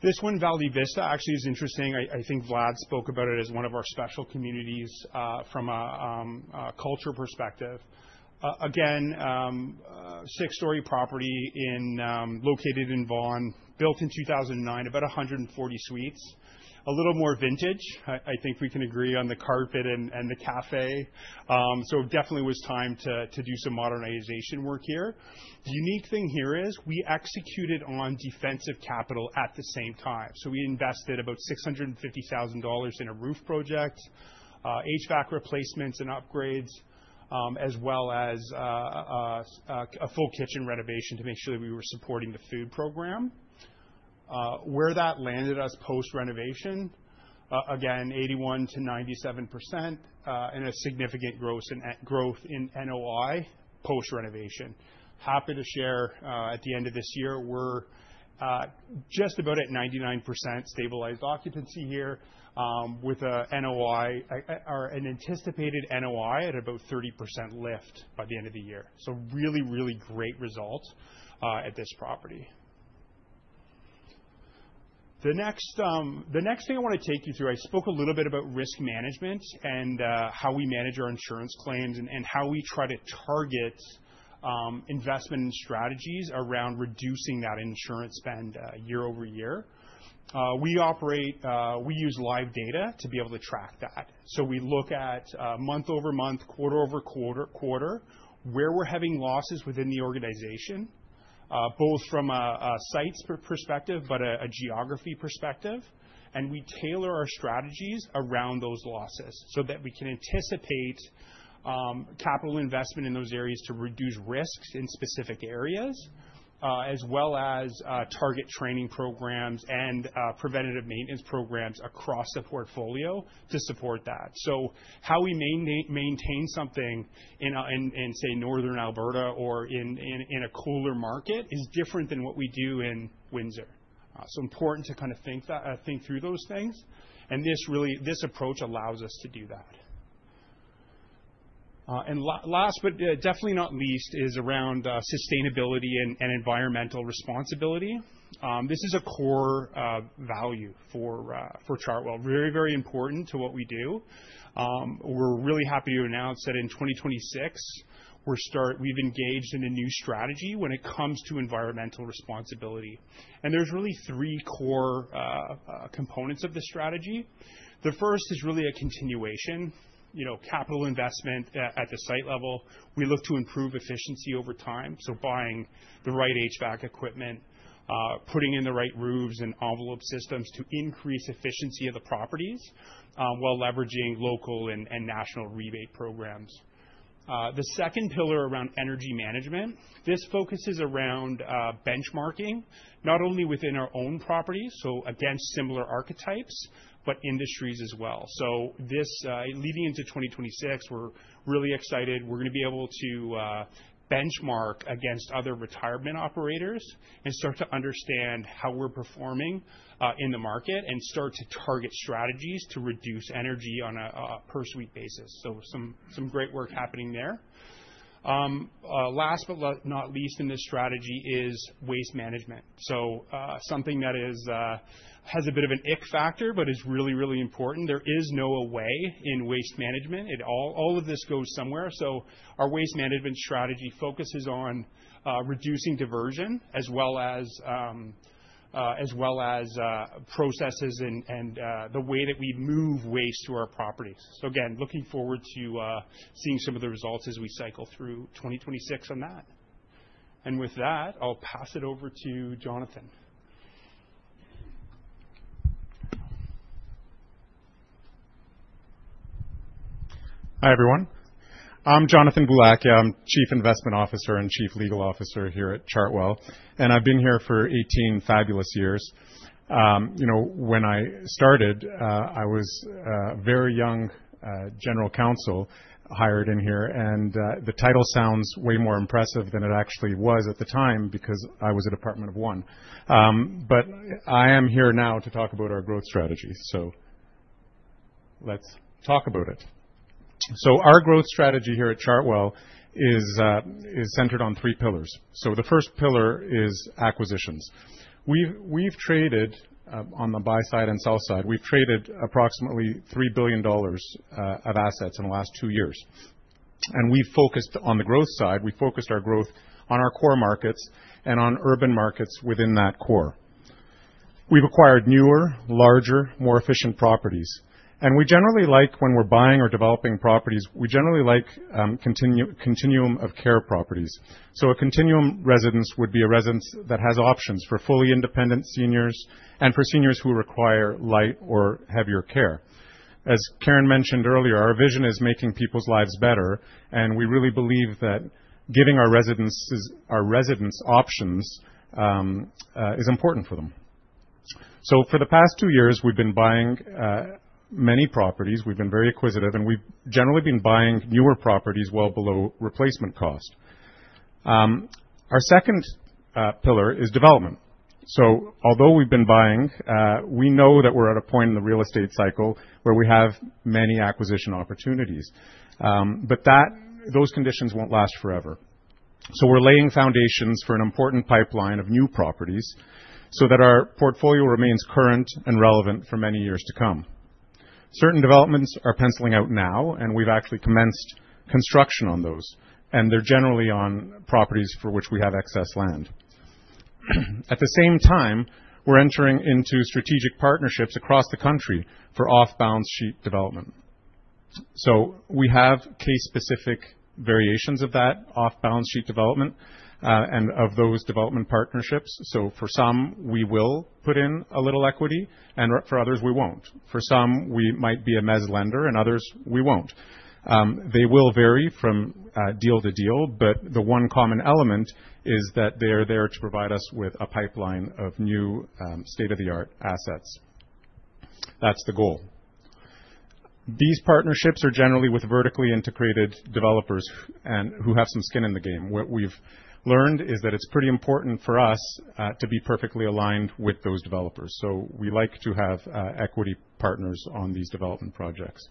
This one, Valley Vista, actually is interesting. I think Vlad spoke about it as one of our special communities, from a culture perspective. Again, 6-story property located in Vaughan, built in 2009, about 140 suites. A little more vintage. I think we can agree on the carpet and the café. It definitely was time to do some modernization work here. The unique thing here is we executed on defensive capital at the same time. We invested about 650,000 dollars in a roof project, HVAC replacements and upgrades, as well as a full kitchen renovation to make sure that we were supporting the food program. Where that landed us post-renovation, again, 81%-97%, and a significant growth in NOI post-renovation. Happy to share, at the end of this year, we're just about at 99% stabilized occupancy here, with a NOI or an anticipated NOI at about 30% lift by the end of the year. Really great results at this property. The next thing I wanna take you through, I spoke a little bit about risk management and how we manage our insurance claims and how we try to target investment strategies around reducing that insurance spend year over year. We use live data to be able to track that. We look at month over month, quarter over quarter where we're having losses within the organization, both from a sites perspective, but a geography perspective. We tailor our strategies around those losses so that we can anticipate capital investment in those areas to reduce risks in specific areas, as well as target training programs and preventative maintenance programs across the portfolio to support that. How we maintain something in say Northern Alberta or in a cooler market is different than what we do in Windsor. Important to kinda think through those things. This approach allows us to do that. Last but definitely not least is around sustainability and environmental responsibility. This is a core value for Chartwell. Very, very important to what we do. We're really happy to announce that in 2026 we've engaged in a new strategy when it comes to environmental responsibility. There's really three core components of the strategy. The first is really a continuation, you know, capital investment at the site level. We look to improve efficiency over time, so buying the right HVAC equipment, putting in the right roofs and envelope systems to increase efficiency of the properties, while leveraging local and national rebate programs. The second pillar around energy management focuses around benchmarking not only within our own properties, so against similar archetypes, but industries as well. This leading into 2026, we're really excited. We're gonna be able to benchmark against other retirement operators and start to understand how we're performing in the market and start to target strategies to reduce energy on a per suite basis. Some great work happening there. Last but not least in this strategy is waste management. Something that has a bit of an ick factor, but is really, really important. There is no away in waste management. All of this goes somewhere. Our waste management strategy focuses on reducing diversion as well as processes and the way that we move waste to our properties. Again, looking forward to seeing some of the results as we cycle through 2026 on that. With that, I'll pass it over to Jonathan. Hi, everyone. I'm Jonathan Boulakia. I'm Chief Investment Officer and Chief Legal Officer here at Chartwell, and I've been here for 18 fabulous years. You know, when I started, I was a very young general counsel hired here, and the title sounds way more impressive than it actually was at the time because I was a department of one. But I am here now to talk about our growth strategy. Let's talk about it. Our growth strategy here at Chartwell is centered on three pillars. The first pillar is acquisitions. We've traded on the buy side and sell side, we've traded approximately 3 billion dollars of assets in the last two years. We focused on the growth side. We focused our growth on our core markets and on urban markets within that core. We've acquired newer, larger, more efficient properties, and we generally like when we're buying or developing properties, we generally like continuum of care properties. A continuum residence would be a residence that has options for fully independent seniors and for seniors who require light or heavier care. As Karen mentioned earlier, our vision is making people's lives better, and we really believe that giving our residences, our residents options is important for them. For the past two years, we've been buying many properties. We've been very acquisitive, and we've generally been buying newer properties well below replacement cost. Our second pillar is development. Although we've been buying, we know that we're at a point in the real estate cycle where we have many acquisition opportunities, but those conditions won't last forever. We're laying foundations for an important pipeline of new properties so that our portfolio remains current and relevant for many years to come. Certain developments are penciling out now, and we've actually commenced construction on those, and they're generally on properties for which we have excess land. At the same time, we're entering into strategic partnerships across the country for off-balance sheet development. We have case-specific variations of that off-balance sheet development, and of those development partnerships. For some, we will put in a little equity, and for others, we won't. For some, we might be a mezz lender, and others we won't. They will vary from deal to deal, but the one common element is that they're there to provide us with a pipeline of new state-of-the-art assets. That's the goal. These partnerships are generally with vertically integrated developers and who have some skin in the game. What we've learned is that it's pretty important for us to be perfectly aligned with those developers. We like to have equity partners on these development projects.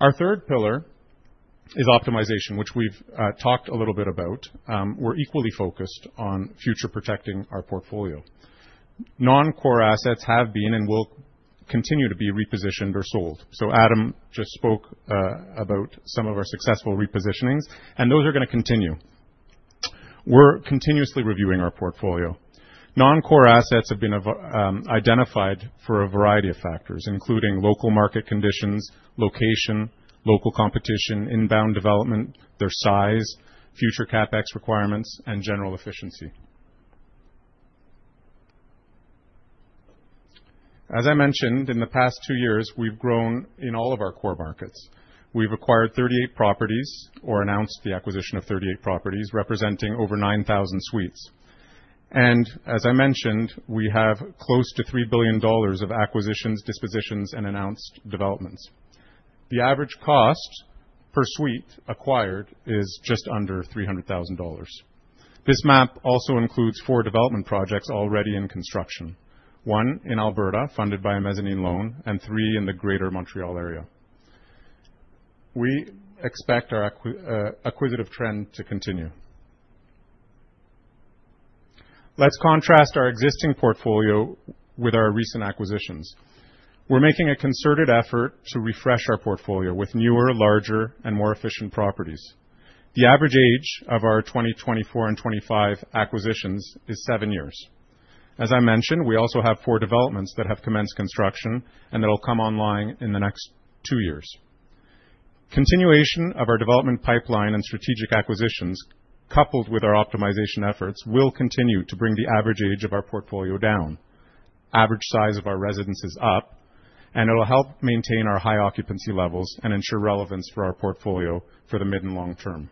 Our third pillar is optimization, which we've talked a little bit about. We're equally focused on future protecting our portfolio. Non-core assets have been and will continue to be repositioned or sold. Adam just spoke about some of our successful repositionings, and those are gonna continue. We're continuously reviewing our portfolio. Non-core assets have been identified for a variety of factors, including local market conditions, location, local competition, inbound development, their size, future CapEx requirements, and general efficiency. As I mentioned, in the past two years, we've grown in all of our core markets. We've acquired 38 properties or announced the acquisition of 38 properties representing over 9,000 suites. As I mentioned, we have close to 3 billion dollars of acquisitions, dispositions, and announced developments. The average cost per suite acquired is just under 300,000 dollars. This map also includes 4 development projects already in construction. One in Alberta, funded by a mezzanine loan, and 3 in the Greater Montreal area. We expect our acquisitive trend to continue. Let's contrast our existing portfolio with our recent acquisitions. We're making a concerted effort to refresh our portfolio with newer, larger, and more efficient properties. The average age of our 2020, 2024, and 2025 acquisitions is 7 years. As I mentioned, we also have 4 developments that have commenced construction and that will come online in the next 2 years. Continuation of our development pipeline and strategic acquisitions, coupled with our optimization efforts, will continue to bring the average age of our portfolio down, average size of our residence is up, and it will help maintain our high occupancy levels and ensure relevance for our portfolio for the mid and long term.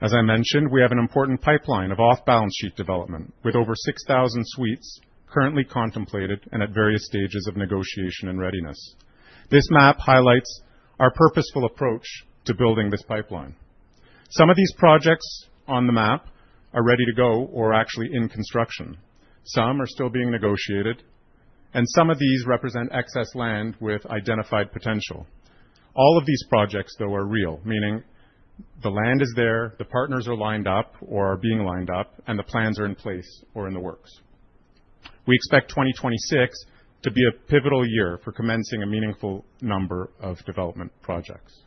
As I mentioned, we have an important pipeline of off-balance sheet development with over 6,000 suites currently contemplated and at various stages of negotiation and readiness. This map highlights our purposeful approach to building this pipeline. Some of these projects on the map are ready to go or actually in construction. Some are still being negotiated, and some of these represent excess land with identified potential. All of these projects, though, are real, meaning the land is there, the partners are lined up or are being lined up, and the plans are in place or in the works. We expect 2026 to be a pivotal year for commencing a meaningful number of development projects.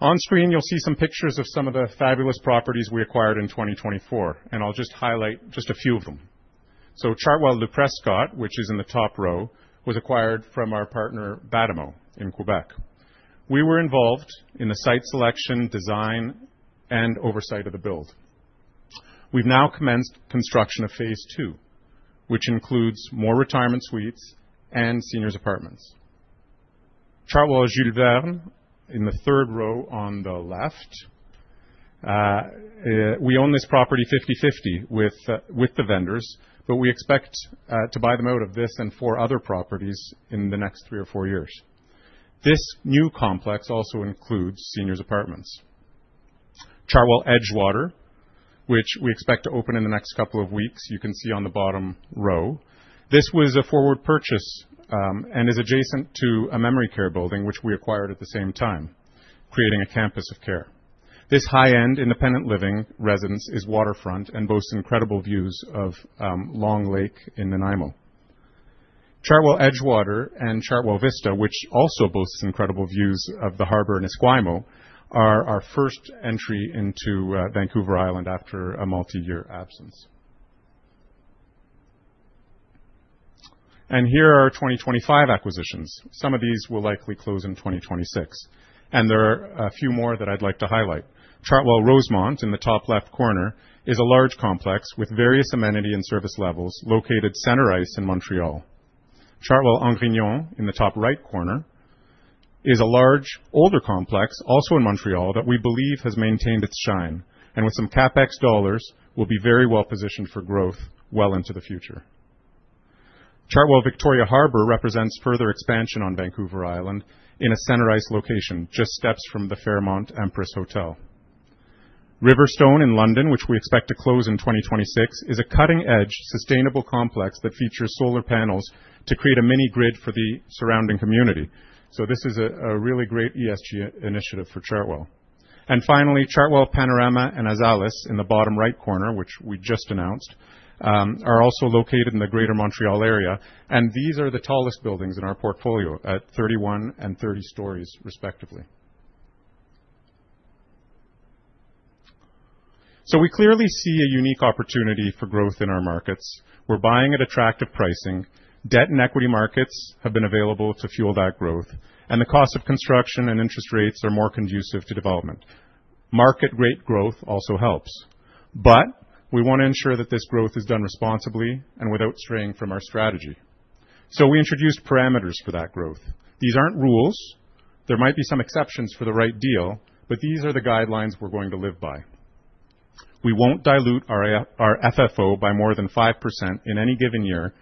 On screen, you'll see some pictures of some of the fabulous properties we acquired in 2024, and I'll just highlight just a few of them. Chartwell Le Prescott, which is in the top row, was acquired from our partner, Batimo, in Quebec. We were involved in the site selection, design, and oversight of the build. We've now commenced construction of phase two, which includes more retirement suites and seniors apartments. Chartwell Le Jules-Verne in the third row on the left. We own this property 50/50 with the vendors, but we expect to buy them out of this and 4 other properties in the next 3 or 4 years. This new complex also includes seniors apartments. Chartwell Edgewater, which we expect to open in the next couple of weeks. You can see on the bottom row. This was a forward purchase, and is adjacent to a memory care building, which we acquired at the same time, creating a campus of care. This high-end independent living residence is waterfront and boasts incredible views of Long Lake in Nanaimo. Chartwell Edgewater and Chartwell Vista, which also boasts incredible views of the harbor in Esquimalt, are our first entry into Vancouver Island after a multi-year absence. Here are our 2025 acquisitions. Some of these will likely close in 2026, and there are a few more that I'd like to highlight. Chartwell Rosemont in the top left corner is a large complex with various amenity and service levels located center ice in Montréal. Chartwell Angrignon in the top right corner is a large, older complex, also in Montréal, that we believe has maintained its shine, and with some CapEx dollars will be very well positioned for growth well into the future. Chartwell Victoria Harbour represents further expansion on Vancouver Island in a center ice location, just steps from the Fairmont Empress Hotel. Riverstone in London, which we expect to close in 2026, is a cutting-edge, sustainable complex that features solar panels to create a mini grid for the surrounding community. This is a really great ESG initiative for Chartwell. Finally, Chartwell Panorama and L'Azalée in the bottom right corner, which we just announced, are also located in the Greater Montreal Area, and these are the tallest buildings in our portfolio at 31 and 30 stories respectively. We clearly see a unique opportunity for growth in our markets. We're buying at attractive pricing. Debt and equity markets have been available to fuel that growth, and the cost of construction and interest rates are more conducive to development. Market rate growth also helps, but we wanna ensure that this growth is done responsibly and without straying from our strategy. We introduced parameters for that growth. These aren't rules. There might be some exceptions for the right deal, but these are the guidelines we're going to live by. We won't dilute our FFO by more than 5% in any given year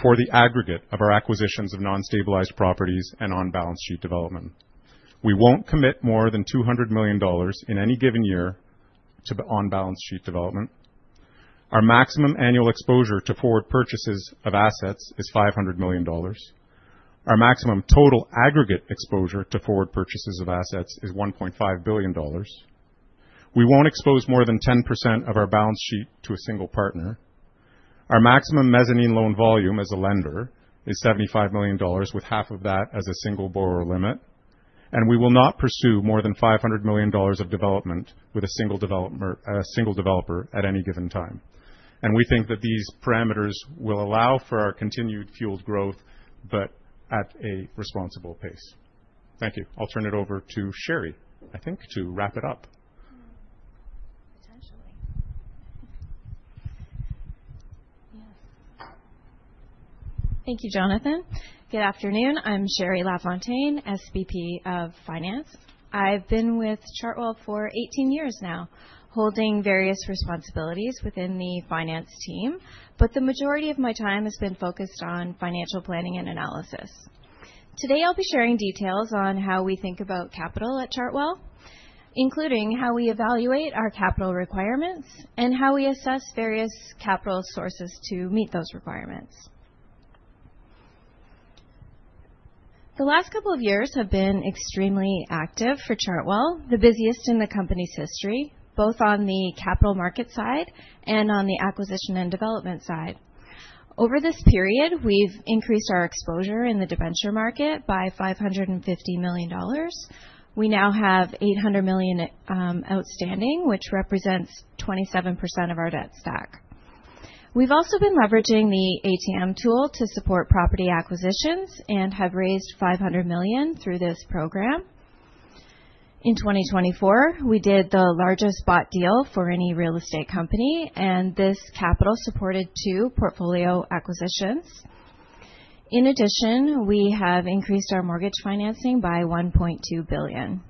for the aggregate of our acquisitions of non-stabilized properties and on-balance-sheet development. We won't commit more than 200 million dollars in any given year to the on-balance-sheet development. Our maximum annual exposure to forward purchases of assets is 500 million dollars. Our maximum total aggregate exposure to forward purchases of assets is 1.5 billion dollars. We won't expose more than 10% of our balance sheet to a single partner. Our maximum mezzanine loan volume as a lender is 75 million dollars, with half of that as a single borrower limit. We will not pursue more than 500 million dollars of development with a single developer at any given time. We think that these parameters will allow for our continued fueled growth, but at a responsible pace. Thank you. I'll turn it over to Sheri, I think, to wrap it up. Potentially. Yes. Thank you, Jonathan. Good afternoon. I'm Shari Lafontaine, SVP of Finance. I've been with Chartwell for 18 years now, holding various responsibilities within the finance team, but the majority of my time has been focused on financial planning and analysis. Today, I'll be sharing details on how we think about capital at Chartwell, including how we evaluate our capital requirements and how we assess various capital sources to meet those requirements. The last couple of years have been extremely active for Chartwell, the busiest in the company's history, both on the capital market side and on the acquisition and development side. Over this period, we've increased our exposure in the debenture market by 550 million dollars. We now have 800 million outstanding, which represents 27% of our debt stack. We've also been leveraging the ATM tool to support property acquisitions and have raised 500 million through this program. In 2024, we did the largest bought deal for any real estate company, and this capital supported two portfolio acquisitions. In addition, we have increased our mortgage financing by 1.2 billion.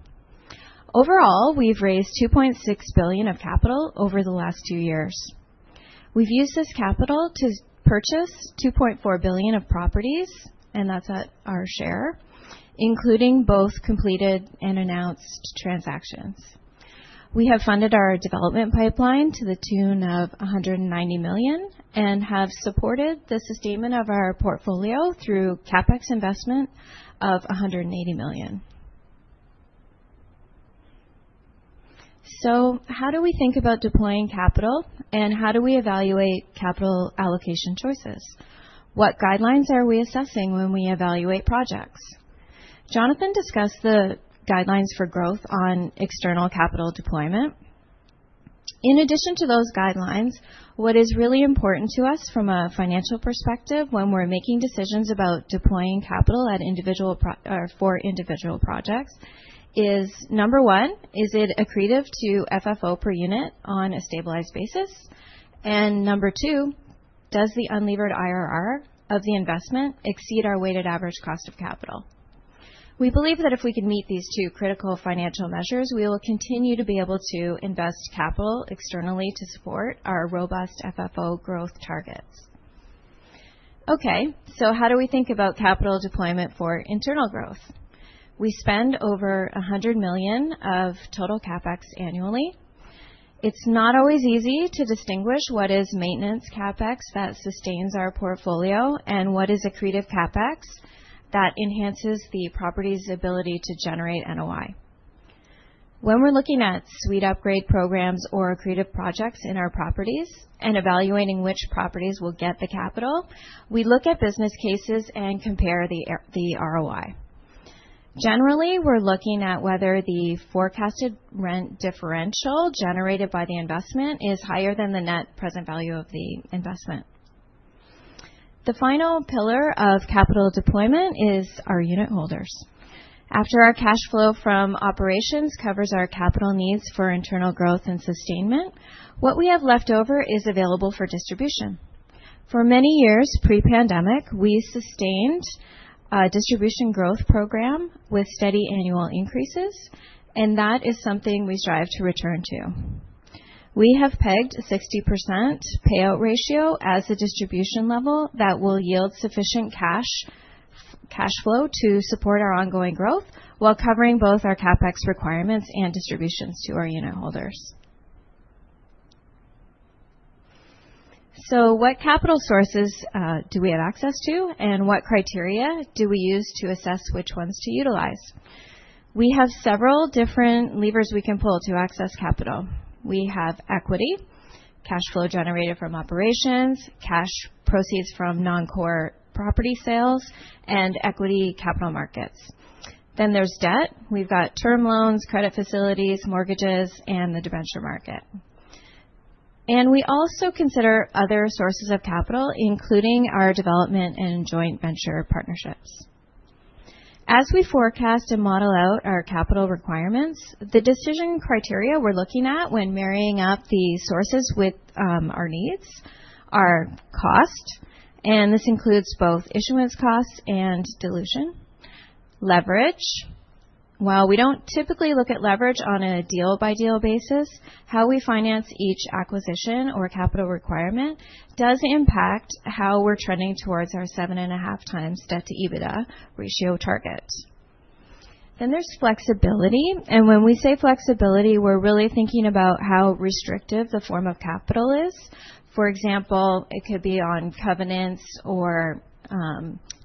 Overall, we've raised 2.6 billion of capital over the last two years. We've used this capital to purchase 2.4 billion of properties, and that's at our share, including both completed and announced transactions. We have funded our development pipeline to the tune of 190 million and have supported the sustainment of our portfolio through CapEx investment of CAD 180 million. How do we think about deploying capital, and how do we evaluate capital allocation choices? What guidelines are we assessing when we evaluate projects? Jonathan discussed the guidelines for growth on external capital deployment. In addition to those guidelines, what is really important to us from a financial perspective when we're making decisions about deploying capital at individual projects is number one, is it accretive to FFO per unit on a stabilized basis? Number two, does the unlevered IRR of the investment exceed our weighted average cost of capital? We believe that if we can meet these two critical financial measures, we will continue to be able to invest capital externally to support our robust FFO growth targets. Okay, how do we think about capital deployment for internal growth? We spend over 100 million of total CapEx annually. It's not always easy to distinguish what is maintenance CapEx that sustains our portfolio and what is accretive CapEx that enhances the property's ability to generate NOI. When we're looking at suite upgrade programs or accretive projects in our properties and evaluating which properties will get the capital, we look at business cases and compare the ROI. Generally, we're looking at whether the forecasted rent differential generated by the investment is higher than the net present value of the investment. The final pillar of capital deployment is our unit holders. After our cash flow from operations covers our capital needs for internal growth and sustainment, what we have left over is available for distribution. For many years, pre-pandemic, we sustained a distribution growth program with steady annual increases, and that is something we strive to return to. We have pegged 60% payout ratio as the distribution level that will yield sufficient cash flow to support our ongoing growth while covering both our CapEx requirements and distributions to our unit holders. What capital sources do we have access to, and what criteria do we use to assess which ones to utilize? We have several different levers we can pull to access capital. We have equity, cash flow generated from operations, cash proceeds from non-core property sales, and equity capital markets. There's debt. We've got term loans, credit facilities, mortgages, and the debenture market. We also consider other sources of capital, including our development and joint venture partnerships. As we forecast and model out our capital requirements, the decision criteria we're looking at when marrying up the sources with our needs are cost, and this includes both issuance costs and dilution. Leverage. While we don't typically look at leverage on a deal-by-deal basis, how we finance each acquisition or capital requirement does impact how we're trending towards our 7.5 times debt-to-EBITDA ratio target. There's flexibility, and when we say flexibility, we're really thinking about how restrictive the form of capital is. For example, it could be on covenants or,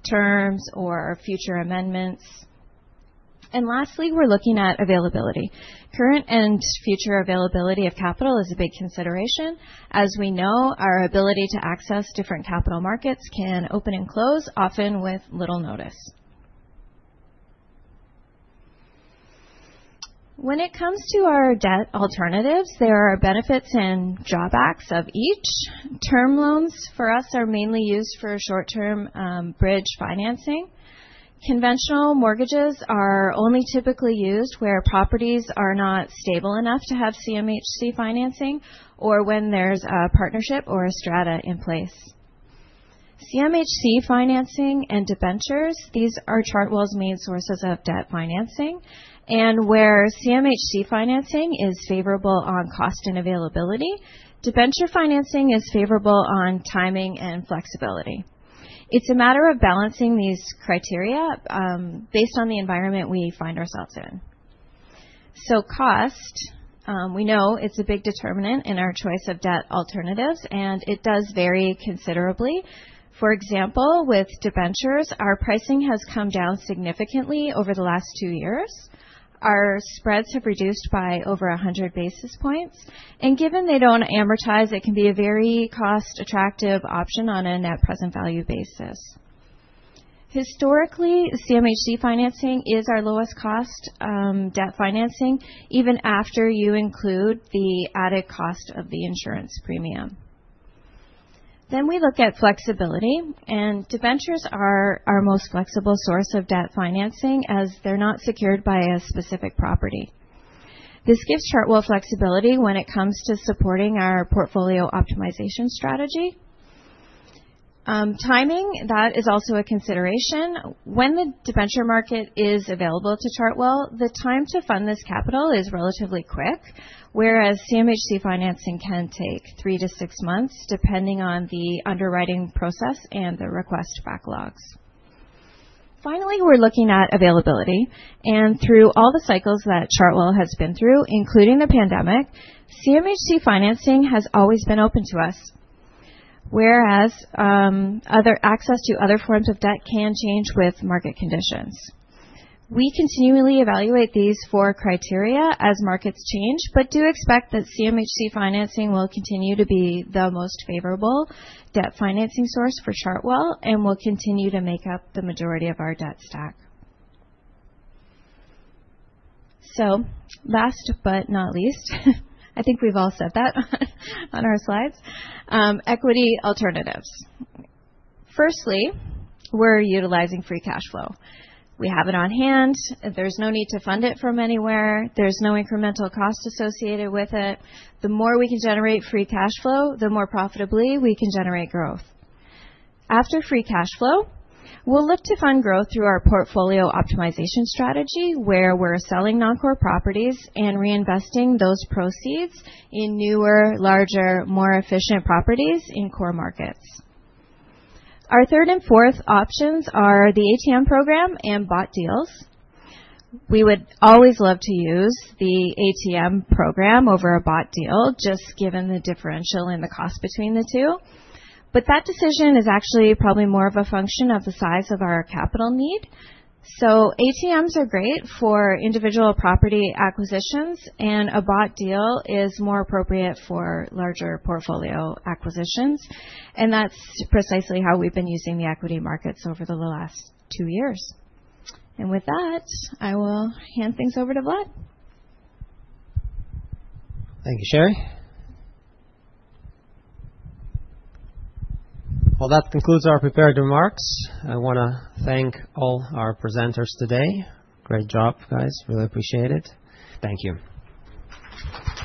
terms or future amendments. Lastly, we're looking at availability. Current and future availability of capital is a big consideration. As we know, our ability to access different capital markets can open and close, often with little notice. When it comes to our debt alternatives, there are benefits and drawbacks of each. Term loans for us are mainly used for short-term, bridge financing. Conventional mortgages are only typically used where properties are not stable enough to have CMHC financing or when there's a partnership or a strata in place. CMHC financing and debentures, these are Chartwell's main sources of debt financing, and where CMHC financing is favorable on cost and availability, debenture financing is favorable on timing and flexibility. It's a matter of balancing these criteria, based on the environment we find ourselves in. Cost, we know it's a big determinant in our choice of debt alternatives, and it does vary considerably. For example, with debentures, our pricing has come down significantly over the last two years. Our spreads have reduced by over 100 basis points, and given they don't amortize, it can be a very cost-attractive option on a net present value basis. Historically, CMHC financing is our lowest cost, debt financing, even after you include the added cost of the insurance premium. We look at flexibility, and debentures are our most flexible source of debt financing, as they're not secured by a specific property. This gives Chartwell flexibility when it comes to supporting our portfolio optimization strategy. Timing, that is also a consideration. When the debenture market is available to Chartwell, the time to fund this capital is relatively quick, whereas CMHC financing can take 3-6 months, depending on the underwriting process and the request backlogs. Finally, we're looking at availability, and through all the cycles that Chartwell has been through, including the pandemic, CMHC financing has always been open to us, whereas access to other forms of debt can change with market conditions. We continually evaluate these four criteria as markets change but do expect that CMHC financing will continue to be the most favorable debt financing source for Chartwell and will continue to make up the majority of our debt stack. Last but not least, I think we've all said that on our slides. Equity alternatives. Firstly, we're utilizing free cash flow. We have it on hand. There's no need to fund it from anywhere. There's no incremental cost associated with it. The more we can generate free cash flow, the more profitably we can generate growth. After free cash flow, we'll look to fund growth through our portfolio optimization strategy, where we're selling non-core properties and reinvesting those proceeds in newer, larger, more efficient properties in core markets. Our third and fourth options are the ATM program and bought deals. We would always love to use the ATM program over a bought deal, just given the differential in the cost between the two. That decision is actually probably more of a function of the size of our capital need. ATMs are great for individual property acquisitions, and a bought deal is more appropriate for larger portfolio acquisitions, and that's precisely how we've been using the equity markets over the last two years. With that, I will hand things over to Vlad. Thank you, Shari Lafontaine. Well, that concludes our prepared remarks. I wanna thank all our presenters today. Great job, guys. Really appreciate it. Thank you.